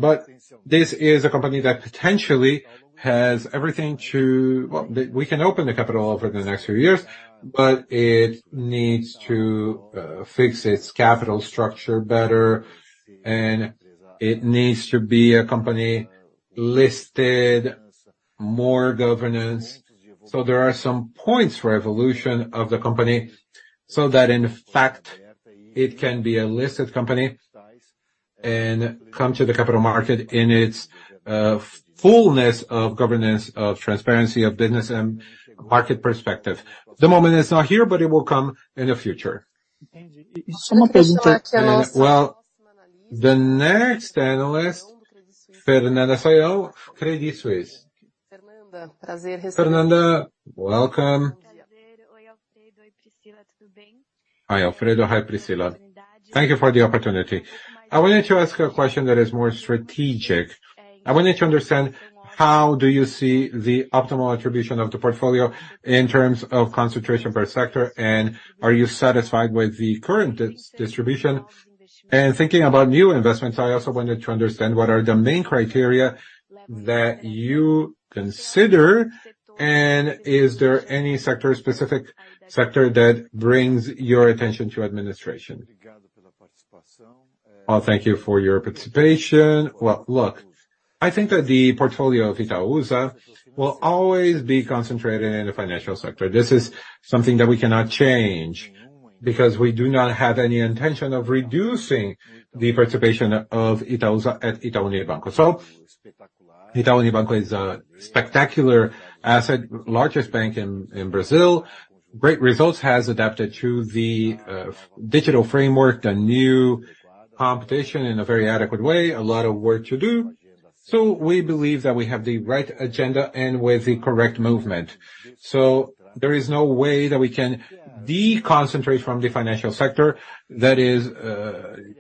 This is a company that potentially has everything to... Well, we can open the capital over the next few years, but it needs to fix its capital structure better, and it needs to be a company listed, more governance. There are some points for evolution of the company, so that in fact, it can be a listed company and come to the capital market in its fullness of governance, of transparency, of business and market perspective. The moment is not here, but it will come in the future. Well, the next analyst, Fernanda Fael, Credit Suisse. Fernanda, welcome. Hi, Alfredo. Hi, Priscila. Thank you for the opportunity. I wanted to ask a question that is more strategic. I wanted to understand, how do you see the optimal attribution of the portfolio in terms of concentration per sector, and are you satisfied with the current dis-distribution? Thinking about new investments, I also wanted to understand what are the main criteria that you consider, and is there any sector, specific sector that brings your attention to administration? Well, thank you for your participation. Well, look, I think that the portfolio of Itaúsa will always be concentrated in the financial sector. This is something that we cannot change, because we do not have any intention of reducing the participation of Itaúsa at Itaú Unibanco. Itaú Unibanco is a spectacular asset, largest bank in Brazil. Great results, has adapted to the digital framework, the new competition, in a very adequate way, a lot of work to do. We believe that we have the right agenda and with the correct movement. There is no way that we can deconcentrate from the financial sector, that is the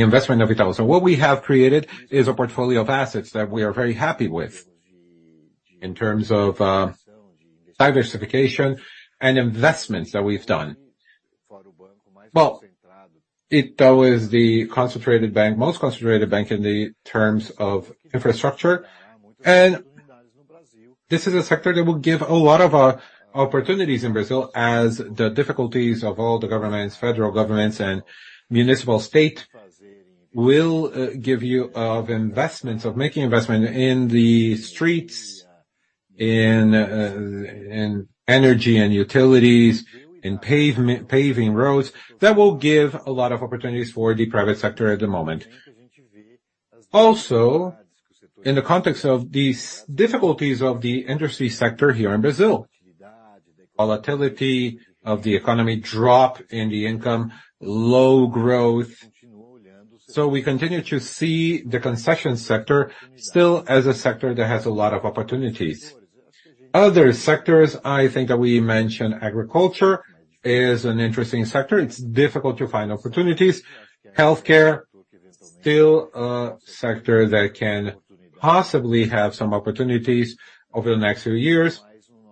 investment of Itaúsa. What we have created is a portfolio of assets that we are very happy with, in terms of diversification and investments that we've done. Well, Itaú is the concentrated bank, most concentrated bank in the terms of infrastructure, this is a sector that will give a lot of opportunities in Brazil, as the difficulties of all the governments, federal governments and municipal state, will give you of investments, of making investment in the streets, in energy and utilities, in pavement, paving roads, that will give a lot of opportunities for the private sector at the moment. In the context of these difficulties of the industry sector here in Brazil, volatility of the economy, drop in the income, low growth, we continue to see the concession sector, still as a sector that has a lot of opportunities. Other sectors, I think that we mentioned agriculture is an interesting sector. It's difficult to find opportunities. Healthcare, still a sector that can possibly have some opportunities over the next few years.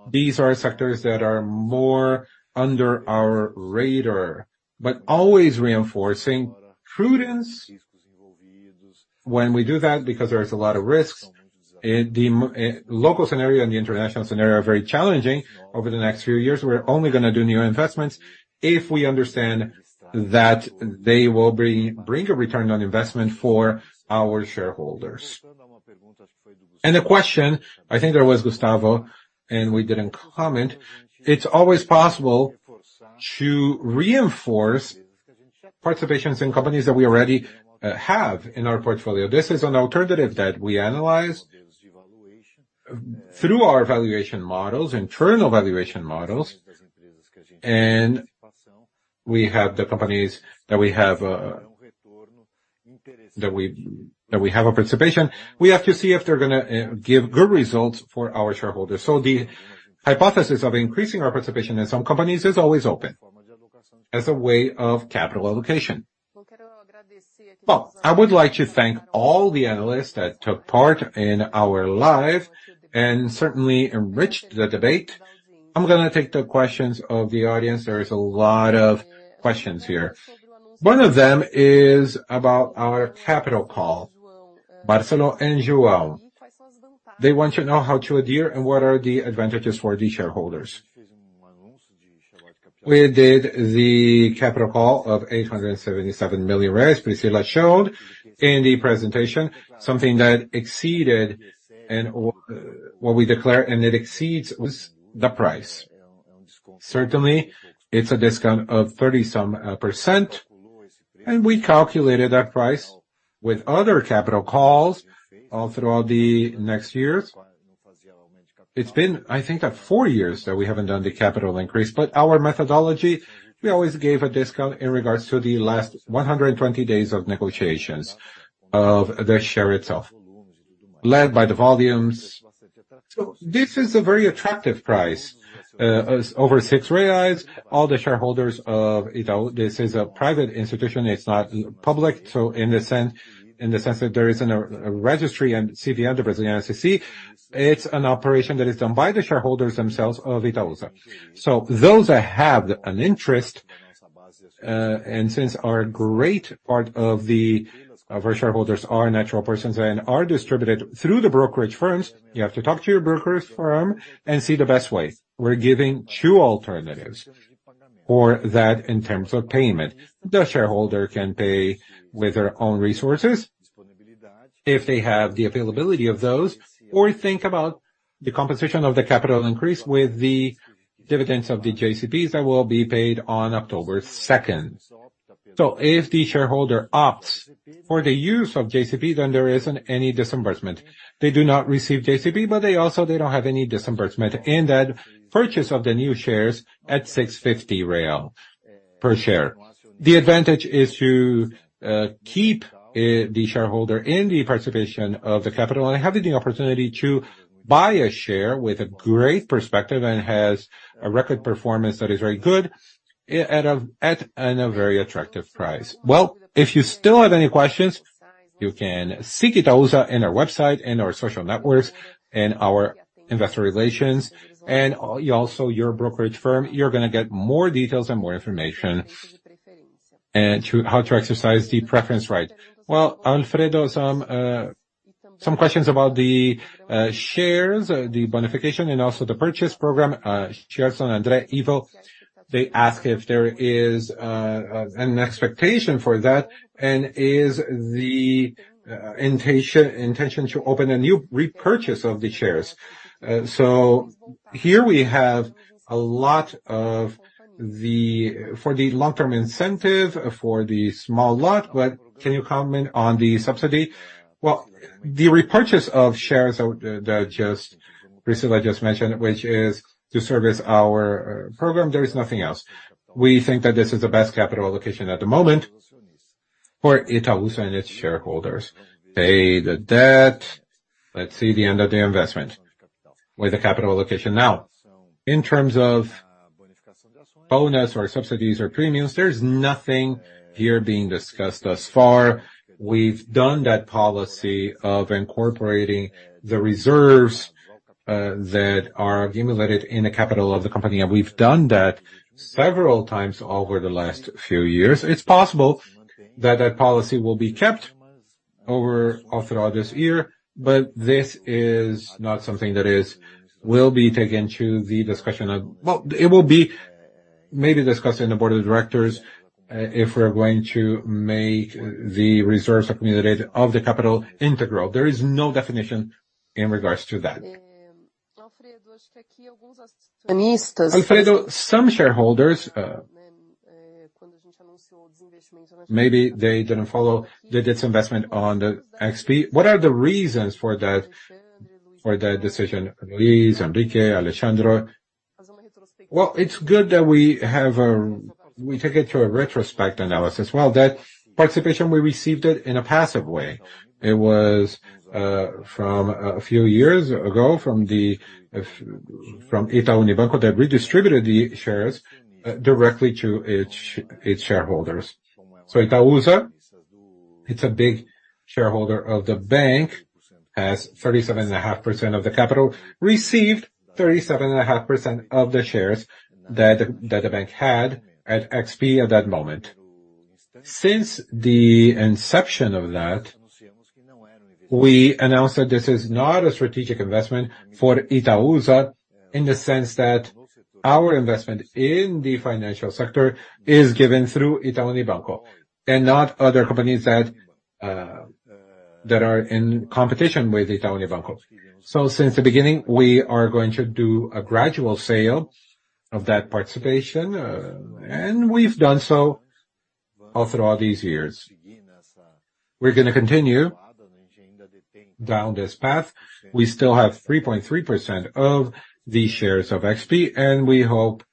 These are sectors that are more under our radar, but always reinforcing prudence when we do that, because there is a lot of risks. In the local scenario and the international scenario are very challenging over the next few years. We're only going to do new investments, if we understand that they will bring, bring a return on investment for our shareholders. A question, I think that was Gustavo, and we didn't comment. It's always possible to reinforce participations in companies that we already have in our portfolio. This is an alternative that we analyze, through our valuation models, internal valuation models, and we have the companies that we have. That we have a participation, we have to see if they're gonna give good results for our shareholders. The hypothesis of increasing our participation in some companies is always open, as a way of capital allocation. Well, I would like to thank all the analysts that took part in our live, and certainly enriched the debate. I'm gonna take the questions of the audience. There is a lot of questions here. One of them is about our capital call, Barcelos and Joel. They want to know how to adhere, and what are the advantages for the shareholders? We did the capital call of 877 million, Priscila showed in the presentation, something that exceeded and what we declare, and it exceeds was the price. Certainly, it's a discount of thirty some %, and we calculated that price with other capital calls all throughout the next years. It's been, I think, that 4 years that we haven't done the capital increase, but our methodology, we always gave a discount in regards to the last 120 days of negotiations of the share itself, led by the volumes. This is a very attractive price, as over R$6, all the shareholders of Itaú, this is a private institution, it's not public. In the sense, in the sense that there isn't a, a registry and CVM, the Brazilian SEC, it's an operation that is done by the shareholders themselves of Itaúsa. Those that have an interest, and since our great part of the, of our shareholders are natural persons and are distributed through the brokerage firms, you have to talk to your brokerage firm and see the best way. We're giving 2 alternatives or that in terms of payment. The shareholder can pay with their own resources, if they have the availability of those, or think about the composition of the capital increase with the dividends of the JCPs that will be paid on October 2nd. If the shareholder opts for the use of JCP, then there isn't any disbursement. They do not receive JCP, but they also, they don't have any disbursement in that purchase of the new shares at 6.50 real per share. The advantage is to keep the shareholder in the participation of the capital, and have the opportunity to buy a share with a great perspective, and has a record performance that is very good, at an very attractive price. Well, if you still have any questions, you can seek Itaúsa in our website and our social networks and our investor relations, and also your brokerage firm. You're gonna get more details and more information and how to exercise the preference right. Well, Alfredo, some questions about the shares, the bonification and also the purchase program, Gerson, Andre, Ivo, they ask if there is an expectation for that, and is the intention to open a new repurchase of the shares. Here we have a lot of the... For the long-term incentive for the small lot, but can you comment on the subsidy? Well, the repurchase of shares that, that just, Priscila just mentioned, which is to service our program, there is nothing else. We think that this is the best capital allocation at the moment for Itaúsa and its shareholders. Pay the debt, let's see the end of the investment with the capital allocation now. In terms of bonus, or subsidies, or premiums, there's nothing here being discussed thus far. We've done that policy of incorporating the reserves that are accumulated in the capital of the company, and we've done that several times over the last few years. It's possible that that policy will be kept over all throughout this year. This is not something that is, will be taken to the discussion. It will be maybe discussed in the board of directors, if we're going to make the reserves accumulated of the capital integral. There is no definition in regards to that. Alfredo, some shareholders, maybe they didn't follow the disinvestment on the XP. What are the reasons for that, for that decision, Louise, Enrique, Alejandro? It's good that we have. We took it through a retrospect analysis. That participation, we received it in a passive way. It was from a few years ago, from the, from Itaú Unibanco, that redistributed the shares directly to its shareholders. Itaúsa, it's a big shareholder of the bank, has 37.5% of the capital, received 37.5% of the shares that the, that the bank had at XP at that moment. Since the inception of that, we announced that this is not a strategic investment for Itaúsa, in the sense that our investment in the financial sector is given through Itaú Unibanco, and not other companies that are in competition with Itaú Unibanco. Since the beginning, we are going to do a gradual sale of that participation, and we've done so all throughout these years. We're gonna continue down this path. We still have 3.3% of the shares of XP, and we hope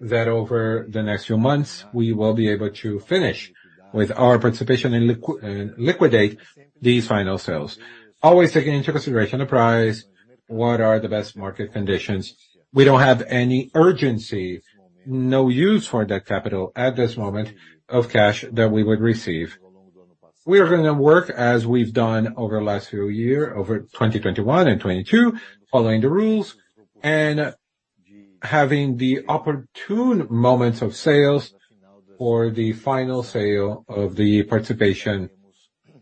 that over the next few months, we will be able to finish with our participation and liquidate these final sales. Always taking into consideration the price, what are the best market conditions? We don't have any urgency, no use for that capital at this moment, of cash that we would receive. We are gonna work, as we've done over the last few year, over 2021 and 2022, following the rules and having the opportune moments of sales for the final sale of the participation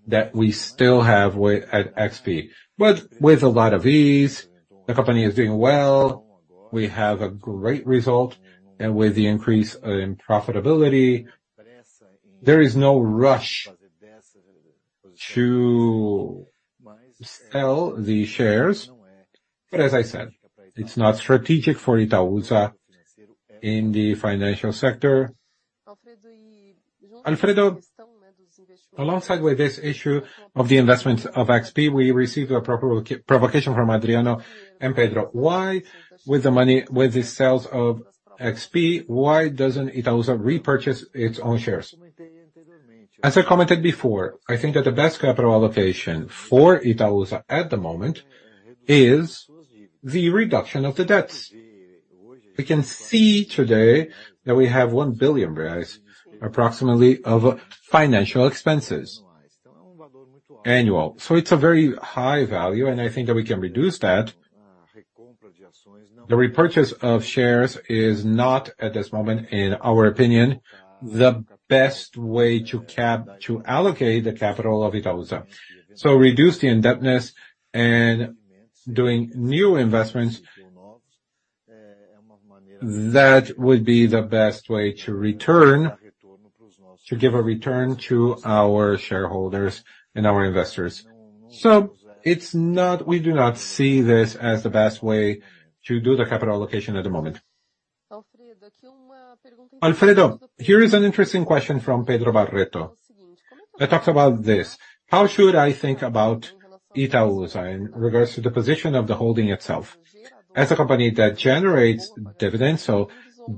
that we still have with, at XP. With a lot of ease, the company is doing well. We have a great result, and with the increase in profitability, there is no rush to sell the shares. As I said, it's not strategic for Itaú in the financial sector. Alfredo, alongside with this issue of the investment of XP, we received a proper provocation from Adriano and Pedro. Why, with the money, with the sales of XP, why doesn't Itaú repurchase its own shares? As I commented before, I think that the best capital allocation for Itaú at the moment is the reduction of the debts. We can see today that we have 1 billion reais, approximately, of financial expenses, annual. It's a very high value, and I think that we can reduce that. The repurchase of shares is not, at this moment, in our opinion, the best way to allocate the capital of Itaú. Reduce the indebtedness and doing new investments, that would be the best way to return, to give a return to our shareholders and our investors. We do not see this as the best way to do the capital allocation at the moment. Alfredo, here is an interesting question from Pedro Barreto. It talks about this: "How should I think about Itaúsa in regards to the position of the holding itself as a company that generates dividends, so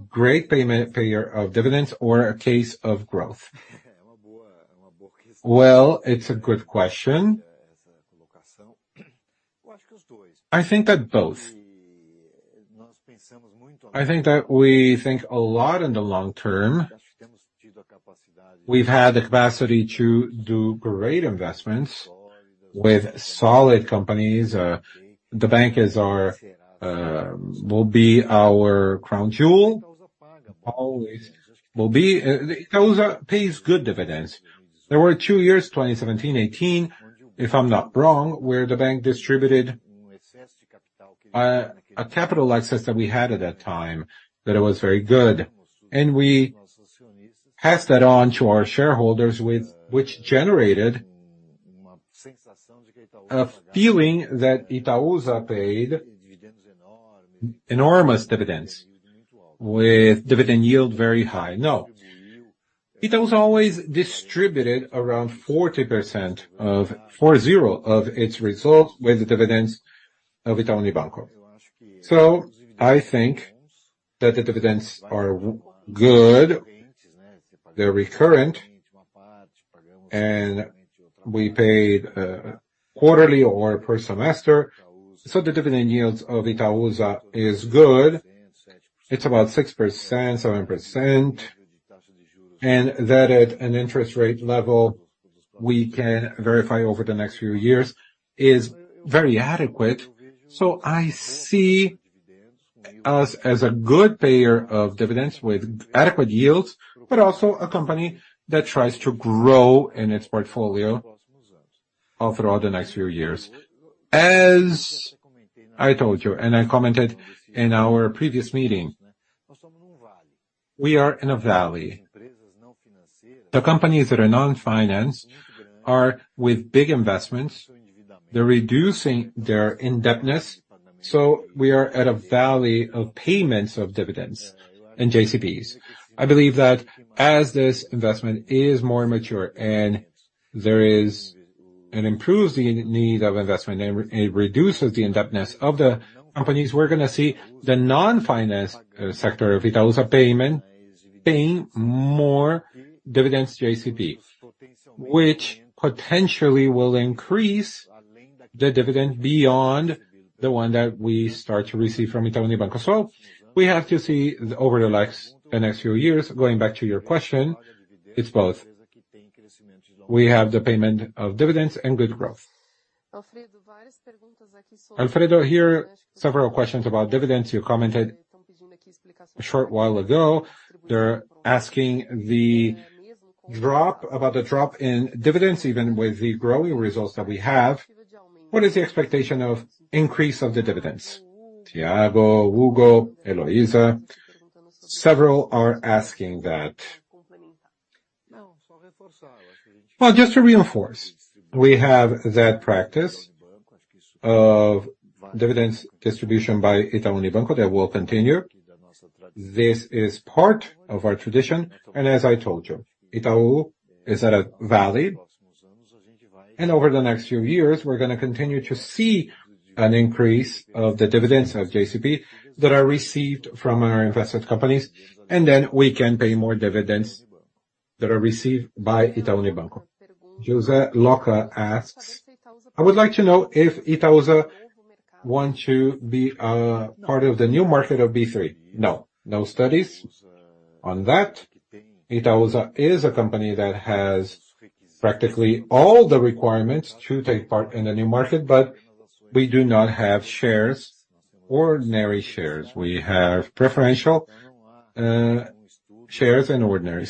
great payment payer of dividends or a case of growth?" It's a good question. I think that both. I think that we think a lot in the long term. We've had the capacity to do great investments with solid companies. The bankers are, will be our crown jewel, always will be. Itaú pays good dividends. There were two years, 2017, 2018, if I'm not wrong, where the bank distributed a capital excess that we had at that time, that it was very good, and we passed that on to our shareholders with, which generated a feeling that Itaú paid enormous dividends with dividend yield very high. No. Itaúsa always distributed around 40% of its results with the dividends of Itaú Unibanco. I think that the dividends are good, they're recurrent, and we paid quarterly or per semester. The dividend yields of Itaúsa is good. It's about 6%-7%, and that at an interest rate level, we can verify over the next few years, is very adequate. I see us as a good payer of dividends with adequate yields, but also a company that tries to grow in its portfolio throughout the next few years. As I told you, and I commented in our previous meeting, we are in a valley. The companies that are non-finance are with big investments. They're reducing their indebtedness, so we are at a valley of payments of dividends and JCPs. I believe that as this investment is more mature and there is. It improves the need of investment, and it reduces the indebtedness of the companies, we're gonna see the non-finance sector of Itaúsa paying more dividends, JCPs, which potentially will increase the dividend beyond the one that we start to receive from Itaú Unibanco as well. We have to see over the next few years, going back to your question, it's both. We have the payment of dividends and good growth. Alfredo, here, several questions about dividends. You commented a short while ago. They're asking about the drop in dividends, even with the growing results that we have. What is the expectation of increase of the dividends? Thiago, Hugo, Eloisa, several are asking that. Well, just to reinforce, we have that practice of dividends distribution by Itaú Unibanco that will continue. This is part of our tradition. As I told you, Itaúsa is at a value. Over the next few years, we're going to continue to see an increase of the dividends of JCP that are received from our invested companies. Then we can pay more dividends that are received by Itaú Unibanco. José Loca asks, "I would like to know if Itaúsa want to be part of the new market of B3?" No, no studies on that. Itaúsa is a company that has practically all the requirements to take part in the new market. We do not have shares, ordinary shares. We have preferential shares and ordinary.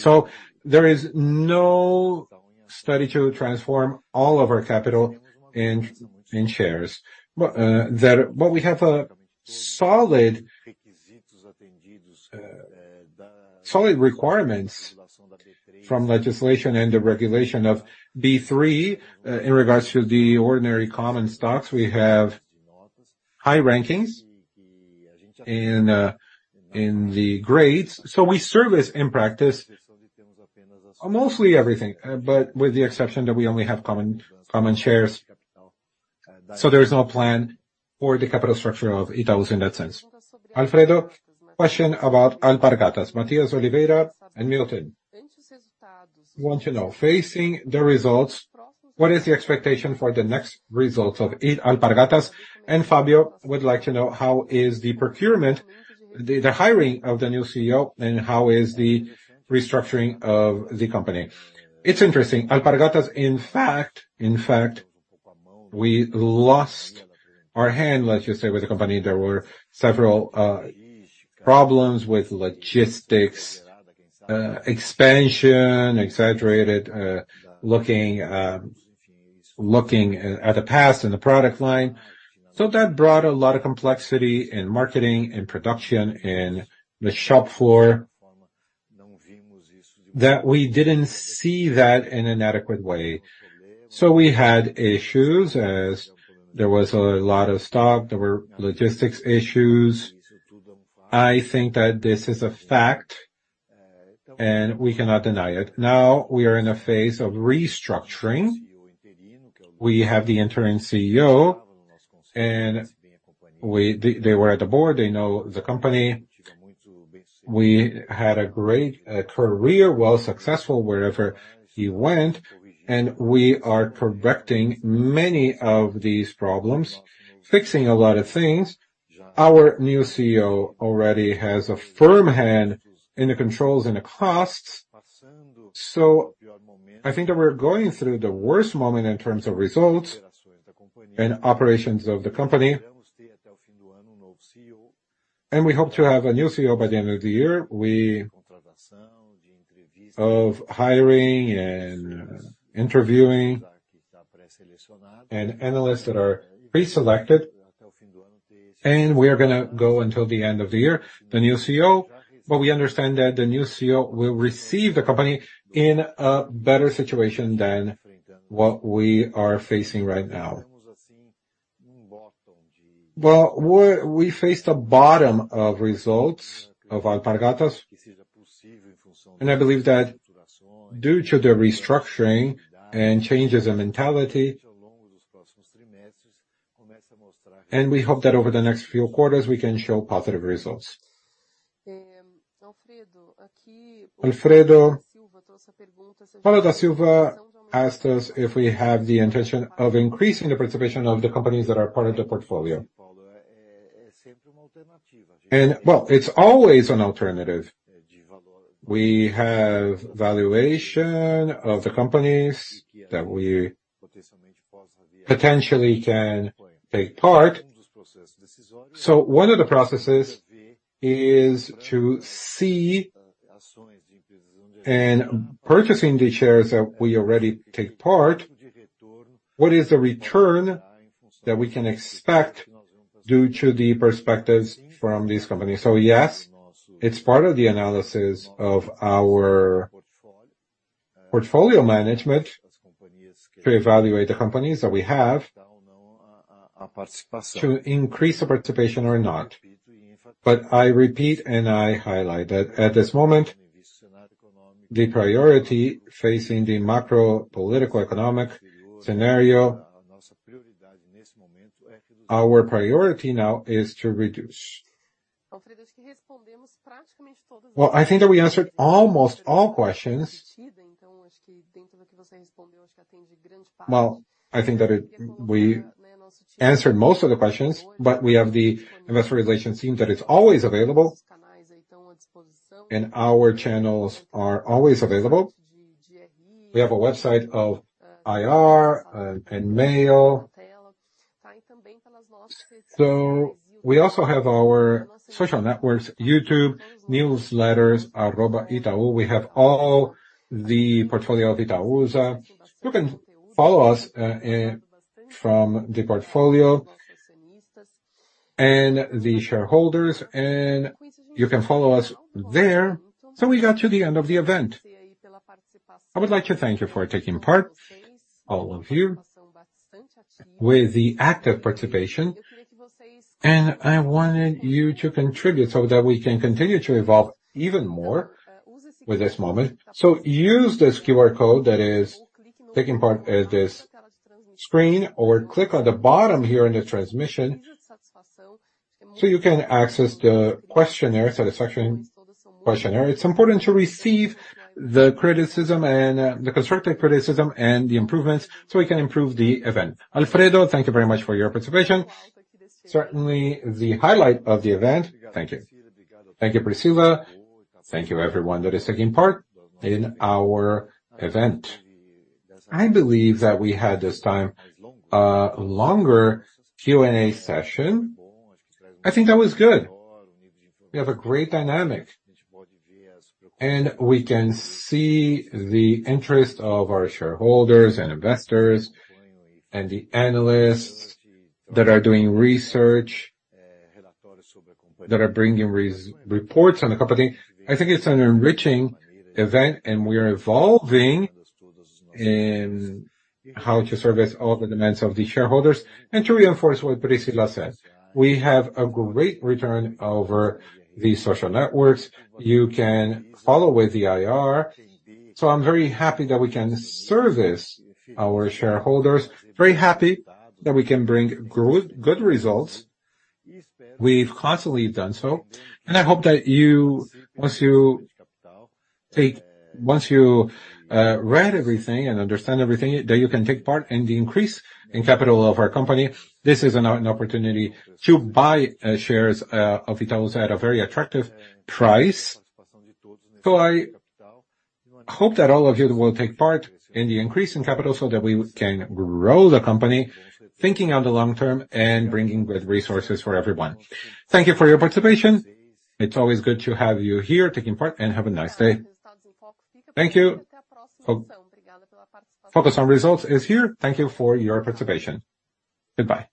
There is no study to transform all of our capital in shares. We have a solid requirements from legislation and the regulation of B3. In regards to the ordinary common stocks, we have high rankings in the grades, so we service in practice, mostly everything, but with the exception that we only have common, common shares. There is no plan for the capital structure of Itaú in that sense. Alfredo, question about Alpargatas. Mathias Oliveira and Milton want to know, facing the results, what is the expectation for the next results of Alpargatas? Fabio would like to know, how is the procurement, the hiring of the new CEO, and how is the restructuring of the company? It's interesting. Alpargatas, in fact, in fact, we lost our hand, let's just say, with the company. There were several problems with logistics, expansion, exaggerated, looking, looking at the past and the product line. That brought a lot of complexity in marketing and production in the shop floor, that we didn't see that in an adequate way. We had issues as there was a lot of stock, there were logistics issues. I think that this is a fact, and we cannot deny it. Now, we are in a phase of restructuring. We have the interim CEO, and they, they were at the board. They know the company. We had a great career, well successful wherever he went, and we are correcting many of these problems, fixing a lot of things. Our new CEO already has a firm hand in the controls and the costs. I think that we're going through the worst moment in terms of results and operations of the company, and we hope to have a new CEO by the end of the year. We... Of hiring and interviewing and analysts that are preselected, and we are going to go until the end of the year, the new CEO, but we understand that the new CEO will receive the company in a better situation than what we are facing right now. Well, we faced a bottom of results of Alpargatas, and I believe that due to the restructuring and changes in mentality, and we hope that over the next few quarters, we can show positive results. Alfredo, Paulo da Silva asked us if we have the intention of increasing the participation of the companies that are part of the portfolio. Well, it's always an alternative. We have valuation of the companies that we potentially can take part. One of the processes is to see, and purchasing the shares that we already take part, what is the return that we can expect due to the perspectives from these companies? Yes, it's part of the analysis of our portfolio management to evaluate the companies that we have, to increase the participation or not. I repeat, and I highlight that at this moment, the priority facing the macro political, economic scenario, our priority now is to reduce. Well, I think that we answered almost all questions. Well, I think that we answered most of the questions, but we have the investor relations team that is always available, and our channels are always available. We have a website of IR and mail. We also have our social networks, YouTube, newsletters, @Itaú. We have all the portfolio of Itaúsa. You can follow us from the portfolio and the shareholders, and you can follow us there. We got to the end of the event. I would like to thank you for taking part, all of you, with the active participation. I wanted you to contribute so that we can continue to evolve even more with this moment. Use this QR code that is taking part at this screen, or click on the bottom here in the transmission, so you can access the questionnaire, satisfaction questionnaire. It's important to receive the criticism and the constructive criticism and the improvements, so we can improve the event. Alfredo, thank you very much for your participation. Certainly the highlight of the event. Thank you. Thank you, Priscila. Thank you, everyone, that is taking part in our event. I believe that we had this time, a longer Q&A session. I think that was good. We have a great dynamic, and we can see the interest of our shareholders and investors, and the analysts that are doing research, that are bringing res- reports on the company. I think it's an enriching event, and we are evolving in how to service all the demands of the shareholders. To reinforce what Priscila said, we have a great return over the social networks. You can follow with the IR. I'm very happy that we can service our shareholders. Very happy that we can bring good, good results. We've constantly done so, and I hope that you, once you take-- once you read everything and understand everything, that you can take part in the increase in capital of our company. This is an, an opportunity to buy shares of Itaú at a very attractive price. I hope that all of you will take part in the increase in capital so that we can grow the company, thinking on the long term and bringing good resources for everyone. Thank you for your participation. It's always good to have you here taking part, and have a nice day. Thank you. Focus on Results is here. Thank you for your participation. Goodbye.